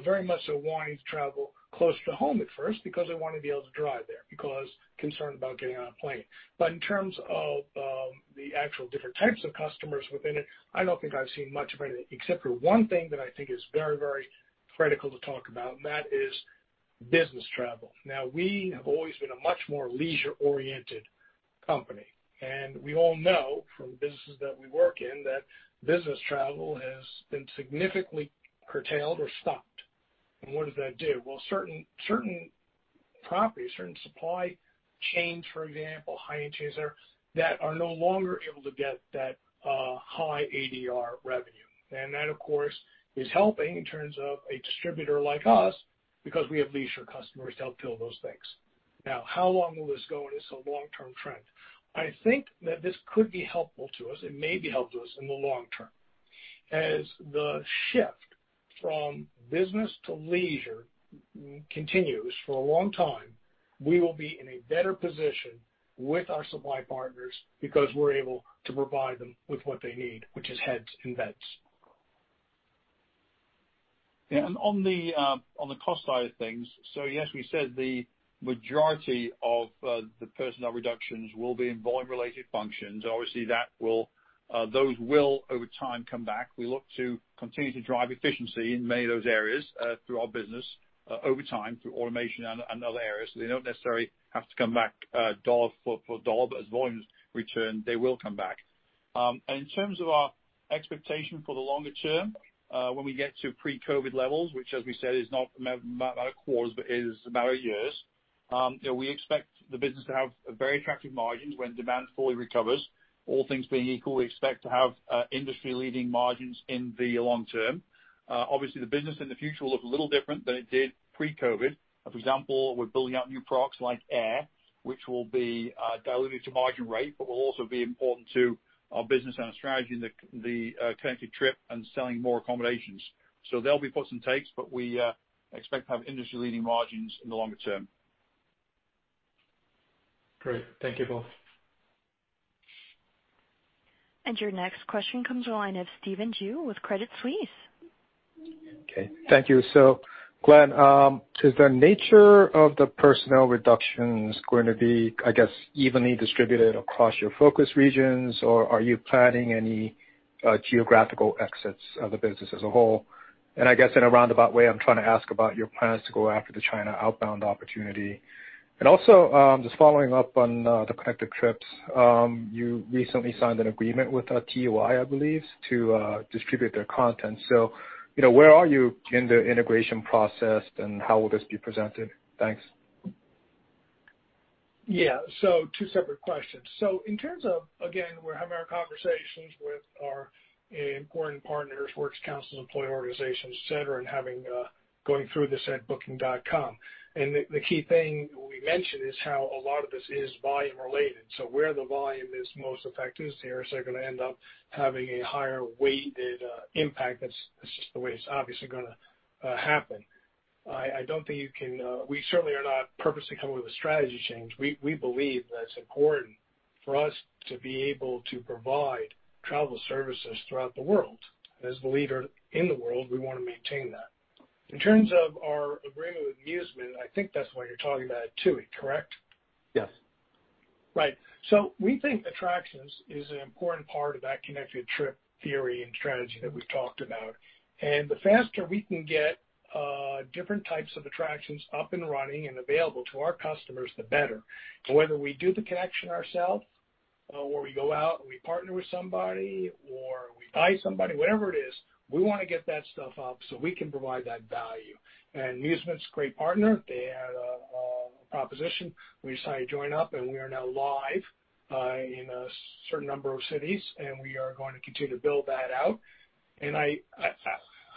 very much so wanting to travel closer to home at first because they want to be able to drive there, because concerned about getting on a plane. In terms of the actual different types of customers within it, I don't think I've seen much of anything except for one thing that I think is very critical to talk about, and that is business travel. We have always been a much more leisure-oriented company, and we all know from the businesses that we work in that business travel has been significantly curtailed or stopped. What does that do? Well, certain properties, certain supply chains, for example, Hyatt, Caesars, that are no longer able to get that high ADR revenue. That, of course, is helping in terms of a distributor like us because we have leisure customers to help fill those things. Now, how long will this go, and is this a long-term trend? I think that this could be helpful to us and may be helpful to us in the long term. As the shift from business to leisure continues for a long time, we will be in a better position with our supply partners because we're able to provide them with what they need, which is heads in beds. Yeah, on the cost side of things, yes, we said the majority of the personnel reductions will be in volume-related functions. Obviously, those will, over time, come back. We look to continue to drive efficiency in many of those areas through our business over time, through automation and other areas. They don't necessarily have to come back dollar for dollar. As volumes return, they will come back. In terms of our expectation for the longer term, when we get to pre-COVID levels, which as we said, is not a matter of quarters, but is a matter of years, we expect the business to have very attractive margins when demand fully recovers. All things being equal, we expect to have industry-leading margins in the long term. Obviously, the business in the future will look a little different than it did pre-COVID. For example, we're building out new products like air, which will be dilutive to margin rate, but will also be important to our business and our strategy in the Connected Trip and selling more accommodations. There'll be puts and takes, but we expect to have industry-leading margins in the longer term. Great. Thank you both. Your next question comes to the line of Stephen Ju with Credit Suisse. Okay. Thank you. Glenn, is the nature of the personnel reductions going to be, I guess, evenly distributed across your focus regions? Are you planning any geographical exits of the business as a whole? I guess in a roundabout way, I'm trying to ask about your plans to go after the China outbound opportunity. Also, just following up on the Connected Trip, you recently signed an agreement with TUI, I believe, to distribute their content. Where are you in the integration process, and how will this be presented? Thanks. Yeah. Two separate questions. In terms of, again, we're having our conversations with our important partners, Works Council, employee organizations, etc., and going through this at Booking.com. The key thing we mentioned is how a lot of this is volume related. Where the volume is most effective there, so you're going to end up having a higher weighted impact. That's just the way it's obviously gonna happen. We certainly are not purposely coming with a strategy change. We believe that it's important for us to be able to provide travel services throughout the world. As the leader in the world, we want to maintain that. In terms of our agreement with Musement, I think that's what you're talking about, TUI, correct? Yes. Right. We think attractions is an important part of that Connected Trip theory and strategy that we've talked about. The faster we can get different types of attractions up and running and available to our customers, the better. Whether we do the connection ourselves, or we go out and we partner with somebody, or we buy somebody, whatever it is, we want to get that stuff up so we can provide that value. Musement's a great partner. They had a proposition. We decided to join up, and we are now live in a certain number of cities, and we are going to continue to build that out.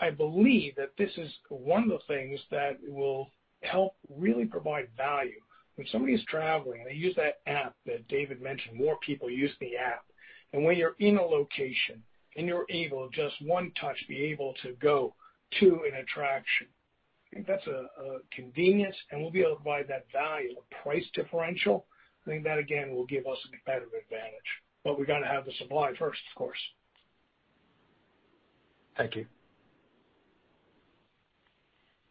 I believe that this is one of the things that will help really provide value. When somebody's traveling, they use that app that David mentioned, more people use the app. When you're in a location and you're able, just one touch, be able to go to an attraction, I think that's a convenience, and we'll be able to provide that value. The price differential, I think that again, will give us a competitive advantage. We got to have the supply first, of course. Thank you.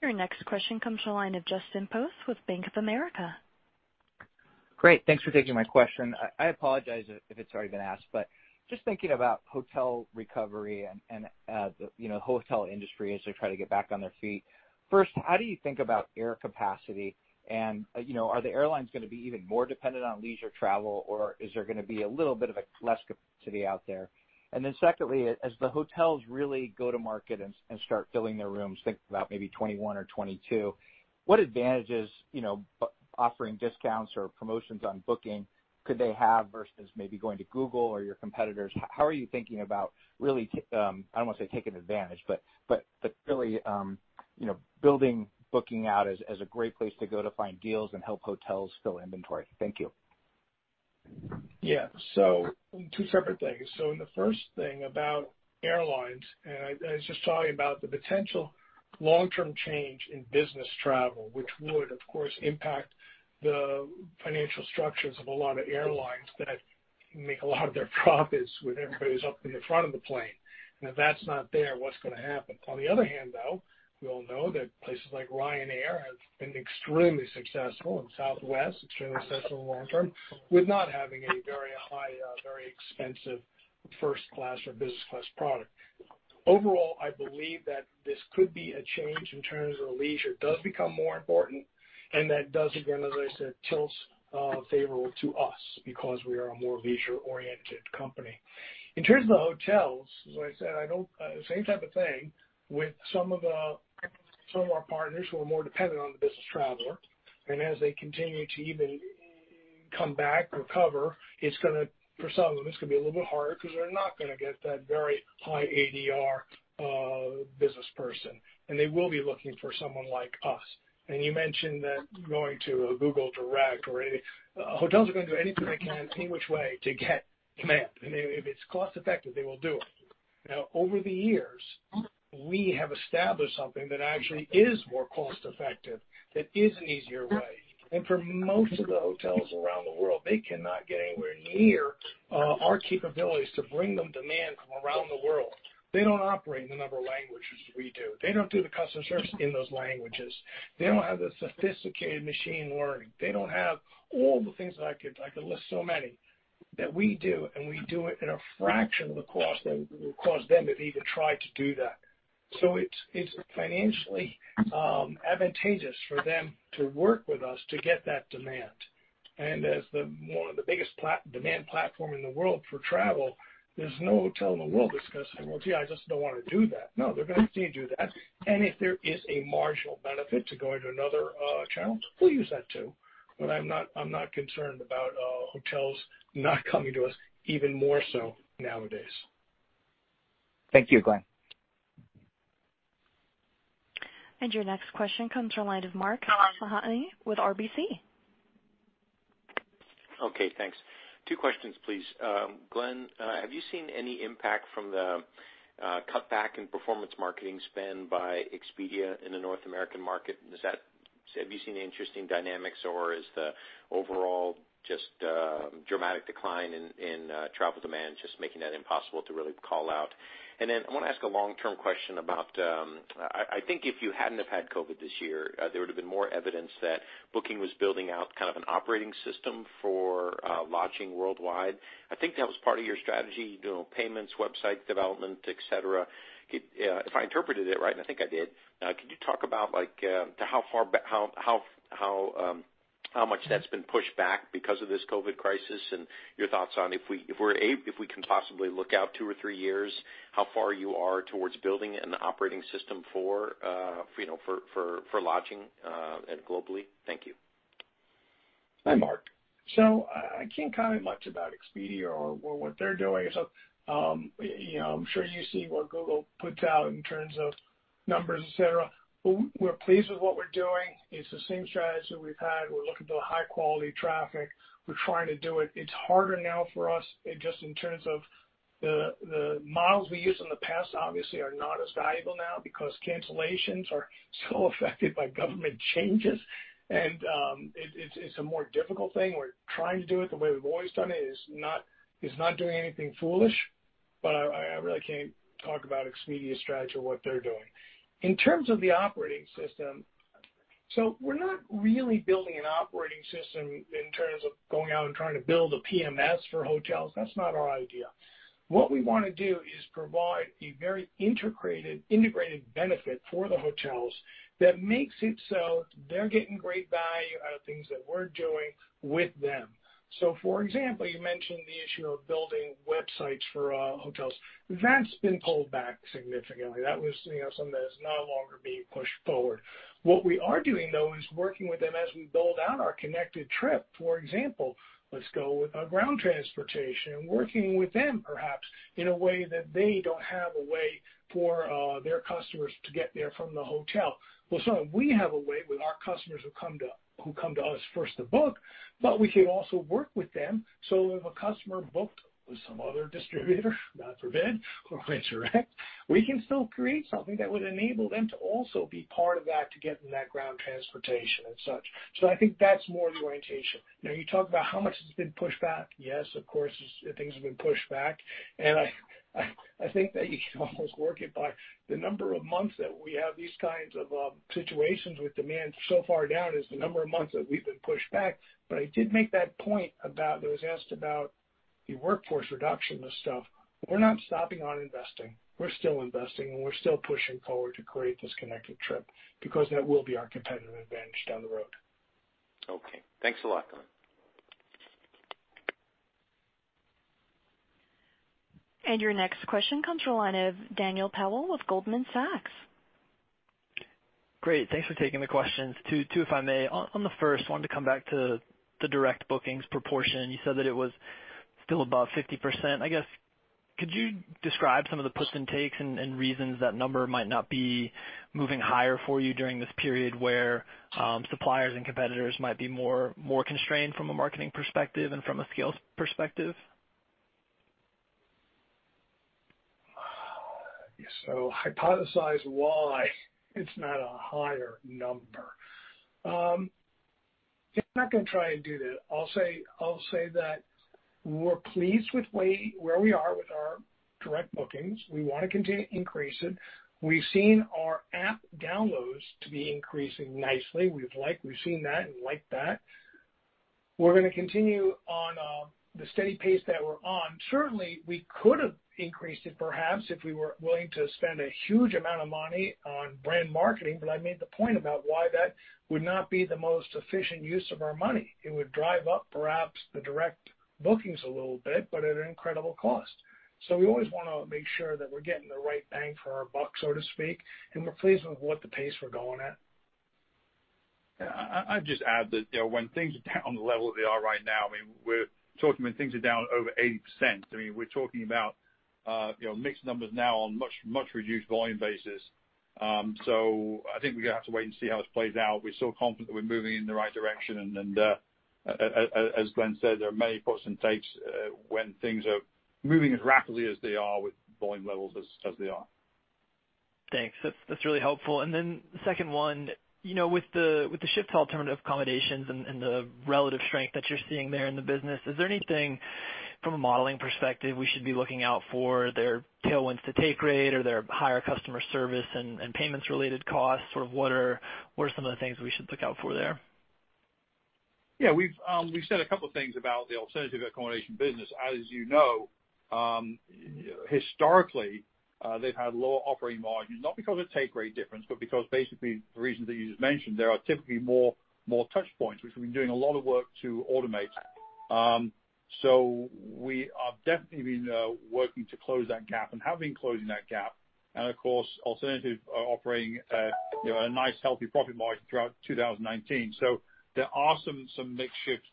Your next question comes to the line of Justin Post with Bank of America. Great. Thanks for taking my question. I apologize if it's already been asked, but just thinking about hotel recovery and the hotel industry as they try to get back on their feet. First, how do you think about air capacity and are the airlines going to be even more dependent on leisure travel, or is there going to be a little bit of a less capacity out there? Secondly, as the hotels really go to market and start filling their rooms, think about maybe 2021 or 2022, what advantages offering discounts or promotions on Booking could they have versus maybe going to Google or your competitors? How are you thinking about really, I don't want to say taking advantage, but really building Booking out as a great place to go to find deals and help hotels fill inventory? Thank you. Two separate things. In the first thing about airlines, I was just talking about the potential long-term change in business travel, which would, of course, impact the financial structures of a lot of airlines that make a lot of their profits when everybody's up in the front of the plane. If that's not there, what's going to happen? On the other hand, though, we all know that places like Ryanair have been extremely successful, and Southwest, extremely successful long-term with not having a very high, very expensive first class or business class product. Overall, I believe that this could be a change in terms of leisure does become more important, that does, again, as I said, tilts favorable to us because we are a more leisure-oriented company. In terms of the hotels, as I said, same type of thing with some of our partners who are more dependent on the business traveler, and as they continue to even come back, recover, for some of them, it's going to be a little bit harder because they're not going to get that very high ADR business person, and they will be looking for someone like us. You mentioned that going to a Google Direct or any hotels are going to do anything they can, any which way, to get demand. If it's cost-effective, they will do it. Now, over the years, we have established something that actually is more cost-effective, that is an easier way. For most of the hotels around the world, they cannot get anywhere near our capabilities to bring them demand from around the world. They don't operate in the number of languages we do. They don't do the customer service in those languages. They don't have the sophisticated machine learning. They don't have all the things that I could list so many, that we do, and we do it at a fraction of the cost that it would cost them if they even tried to do that. It's financially advantageous for them to work with us to get that demand. As one of the biggest demand platform in the world for travel, there's no hotel in the world that's going to say, "Well, gee, I just don't want to do that." No, they're going to have to do that. If there is a marginal benefit to going to another channel, we'll use that, too. I'm not concerned about hotels not coming to us even more so nowadays. Thank you, Glenn. Your next question comes from the line of Mark Mahaney with RBC. Okay, thanks. Two questions, please. Glenn, have you seen any impact from the cutback in performance marketing spend by Expedia in the North American market? Have you seen any interesting dynamics, or is the overall just a dramatic decline in travel demand just making that impossible to really call out? I want to ask a long-term question about, I think if you hadn't have had COVID this year, there would have been more evidence that Booking was building out kind of an operating system for lodging worldwide. I think that was part of your strategy, payments, website development, etc. If I interpreted it right, and I think I did, could you talk about how much that's been pushed back because of this COVID crisis and your thoughts on if we can possibly look out two or three years, how far you are towards building an operating system for lodging and globally? Thank you. Hi, Mark. I can't comment much about Expedia or what they're doing. I'm sure you see what Google puts out in terms of numbers, etc. We're pleased with what we're doing. It's the same strategy we've had. We're looking for the high-quality traffic. We're trying to do it. It's harder now for us just in terms of the models we used in the past, obviously, are not as valuable now because cancellations are so affected by government changes, and it's a more difficult thing. We're trying to do it the way we've always done it, is not doing anything foolish, but I really can't talk about Expedia's strategy or what they're doing. In terms of the operating system, so we're not really building an operating system in terms of going out and trying to build a PMS for hotels. That's not our idea. What we want to do is provide a very integrated benefit for the hotels that makes it so they're getting great value things that we're doing with them. For example, you mentioned the issue of building websites for hotels. That's been pulled back significantly. That was something that is no longer being pushed forward. What we are doing though, is working with them as we build out our Connected Trip. For example, let's go with ground transportation, working with them perhaps in a way that they don't have a way for their customers to get there from the hotel. Well, suddenly we have a way with our customers who come to us first to book, but we can also work with them, so if a customer booked with some other distributor, God forbid, or price direct, we can still create something that would enable them to also be part of that to get them that ground transportation and such. So I think that's more the orientation. Now you talk about how much it's been pushed back. Yes, of course, things have been pushed back and I think that you can almost work it by the number of months that we have these kinds of situations with demand so far down is the number of months that we've been pushed back. I did make that point about, it was asked about the workforce reduction and stuff. We're not stopping on investing. We're still investing, and we're still pushing forward to create this Connected Trip because that will be our competitive advantage down the road. Okay. Thanks a lot, Glenn. Your next question comes from the line of Daniel Powell with Goldman Sachs. Great, thanks for taking the questions. Two, if I may. On the first, wanted to come back to the direct bookings proportion. You said that it was still above 50%. I guess, could you describe some of the puts and takes and reasons that number might not be moving higher for you during this period where suppliers and competitors might be more constrained from a marketing perspective and from a sales perspective? Hypothesize why it's not a higher number. I'm not going to try and do that. I'll say that we're pleased with where we are with our direct bookings. We want to continue to increase it. We've seen our app downloads to be increasing nicely. We've seen that and liked that. We're going to continue on the steady pace that we're on. Certainly, we could've increased it perhaps if we were willing to spend a huge amount of money on brand marketing, but I made the point about why that would not be the most efficient use of our money. It would drive up perhaps the direct bookings a little bit, but at an incredible cost. We always want to make sure that we're getting the right bang for our buck, so to speak, and we're pleased with what the pace we're going at. Yeah. I'd just add that when things are down the level that they are right now, we're talking when things are down over 80%, we're talking about mixed numbers now on much reduced volume basis. I think we're going to have to wait and see how this plays out. We're still confident that we're moving in the right direction, and as Glenn said, there are many puts and takes when things are moving as rapidly as they are with volume levels as they are. Thanks. That's really helpful. Then the second one. With the shift to alternative accommodations and the relative strength that you're seeing there in the business, is there anything from a modeling perspective we should be looking out for their tailwinds to take rate or their higher customer service and payments related costs? Sort of what are some of the things we should look out for there? Yeah. We've said a couple things about the alternative accommodation business. As you know, historically, they've had lower operating margins, not because of take rate difference, but because basically the reasons that you just mentioned, there are typically more touch points, which we've been doing a lot of work to automate. We have definitely been working to close that gap and have been closing that gap, and of course, alternative operating at a nice healthy profit margin throughout 2019. There are some mixed shift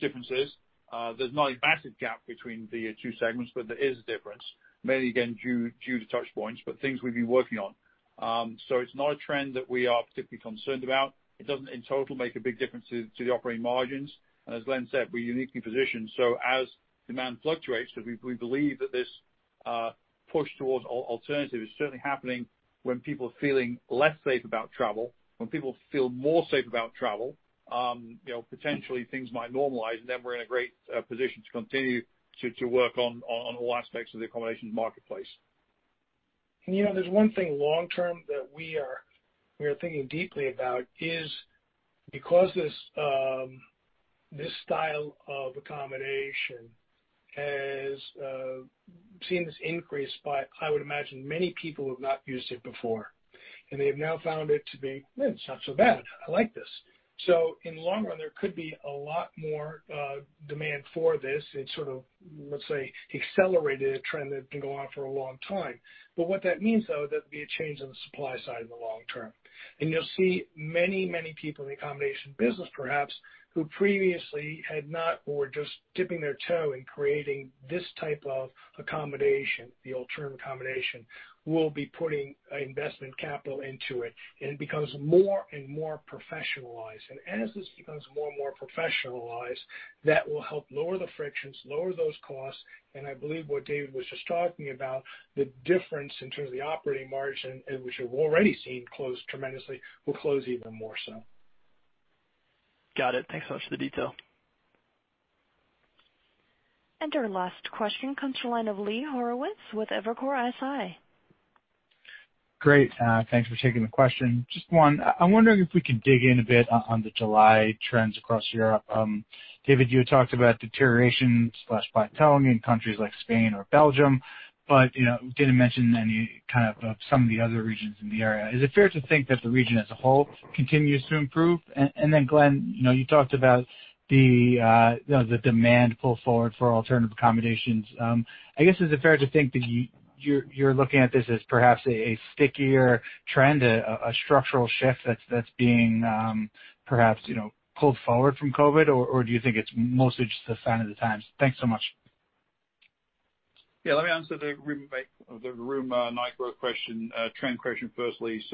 differences. There's not a massive gap between the two segments, but there is a difference, mainly again, due to touch points, but things we've been working on. It's not a trend that we are particularly concerned about. It doesn't in total make a big difference to the operating margins, and as Glenn said, we're uniquely positioned, so as demand fluctuates, because we believe that this push towards alternative is certainly happening when people are feeling less safe about travel. When people feel more safe about travel, potentially things might normalize, and then we're in a great position to continue to work on all aspects of the accommodations marketplace. There's one thing long-term that we are thinking deeply about is because this style of accommodation has seen this increase by, I would imagine many people who have not used it before, and they have now found it to be, "It's not so bad. I like this." In the long run, there could be a lot more demand for this. It sort of, let's say, accelerated a trend that can go on for a long time. What that means, though, there'd be a change on the supply side in the long term. You'll see many people in the accommodation business, perhaps, who previously had not or were just dipping their toe in creating this type of accommodation, the alternative accommodation, will be putting investment capital into it and it becomes more and more professionalized. As this becomes more and more professionalized, that will help lower the frictions, lower those costs, and I believe what David was just talking about, the difference in terms of the operating margin, which we've already seen close tremendously, will close even more so. Got it. Thanks so much for the detail. Our last question comes from the line of Lee Horowitz with Evercore ISI. Great. Thanks for taking the question. Just one. I'm wondering if we could dig in a bit on the July trends across Europe. David, you had talked about deterioration/plateauing in countries like Spain or Belgium, but you didn't mention some of the other regions in the area. Is it fair to think that the region as a whole continues to improve? Then Glenn, you talked about the demand pull forward for alternative accommodations. I guess, is it fair to think that you're looking at this as perhaps a stickier trend, a structural shift that's being perhaps pulled forward from COVID-19, or do you think it's mostly just a sign of the times? Thanks so much. Yeah. Let me answer the room night growth question, trend question firstly.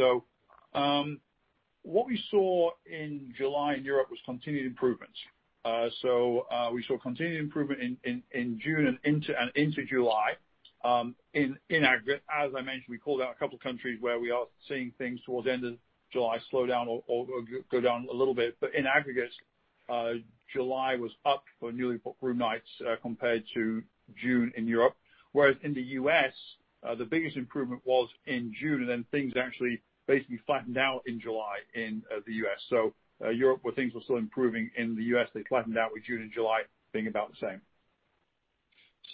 What we saw in July in Europe was continued improvements. We saw continued improvement in June and into July. In aggregate, as I mentioned, we called out a couple of countries where we are seeing things towards the end of July slow down or go down a little bit. In aggregate, July was up for newly booked room nights compared to June in Europe. Whereas in the U.S., the biggest improvement was in June, and then things actually basically flattened out in July in the U.S. Europe where things were still improving, in the U.S., they flattened out with June and July being about the same.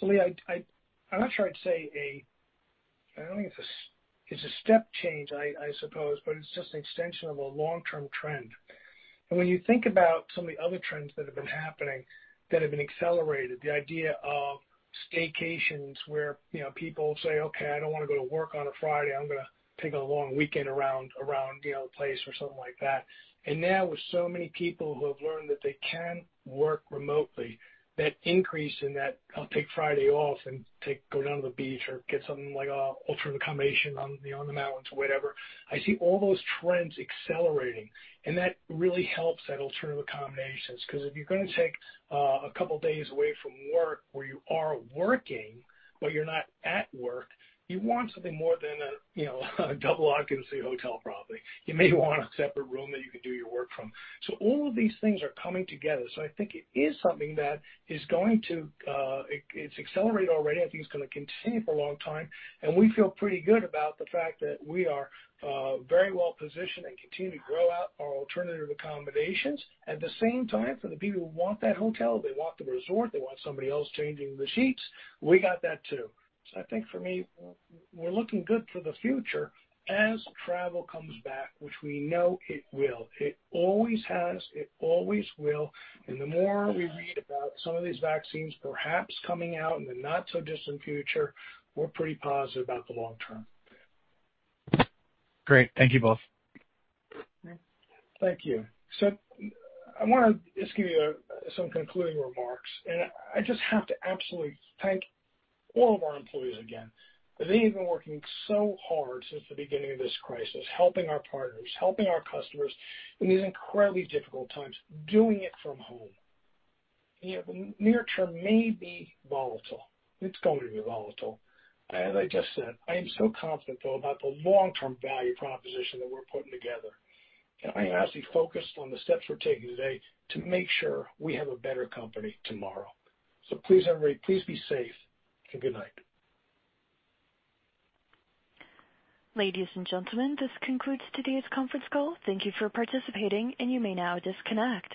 Lee, I'm not sure I don't think it's a step change, I suppose, but it's just an extension of a long-term trend. When you think about some of the other trends that have been happening that have been accelerated, the idea of staycations where people say, "Okay, I don't want to go to work on a Friday. I'm going to take a long weekend around the place," or something like that. Now with so many people who have learned that they can work remotely, that increase in that I'll take Friday off and go down to the beach or get something like alternative accommodation on the mountains or whatever, I see all those trends accelerating, and that really helps that alternative accommodations because if you're going to take a couple of days away from work where you are working, but you're not at work, you want something more than a double occupancy hotel property. You may want a separate room that you can do your work from. All of these things are coming together. I think it is something that it's accelerated already. I think it's going to continue for a long time, and we feel pretty good about the fact that we are very well positioned and continue to grow out our alternative accommodations. At the same time, for the people who want that hotel, they want the resort, they want somebody else changing the sheets, we got that too. I think for me, we're looking good for the future as travel comes back, which we know it will. It always has, it always will. The more we read about some of these vaccines perhaps coming out in the not-so-distant future, we're pretty positive about the long term. Great. Thank you both. Thank you. I want to just give you some concluding remarks, and I just have to absolutely thank all of our employees again. They have been working so hard since the beginning of this crisis, helping our partners, helping our customers in these incredibly difficult times, doing it from home. The near term may be volatile. It's going to be volatile. As I just said, I am so confident though about the long-term value proposition that we're putting together. I'm actually focused on the steps we're taking today to make sure we have a better company tomorrow. Please, everybody, please be safe, and good night. Ladies and gentlemen, this concludes today's conference call. Thank you for participating, and you may now disconnect.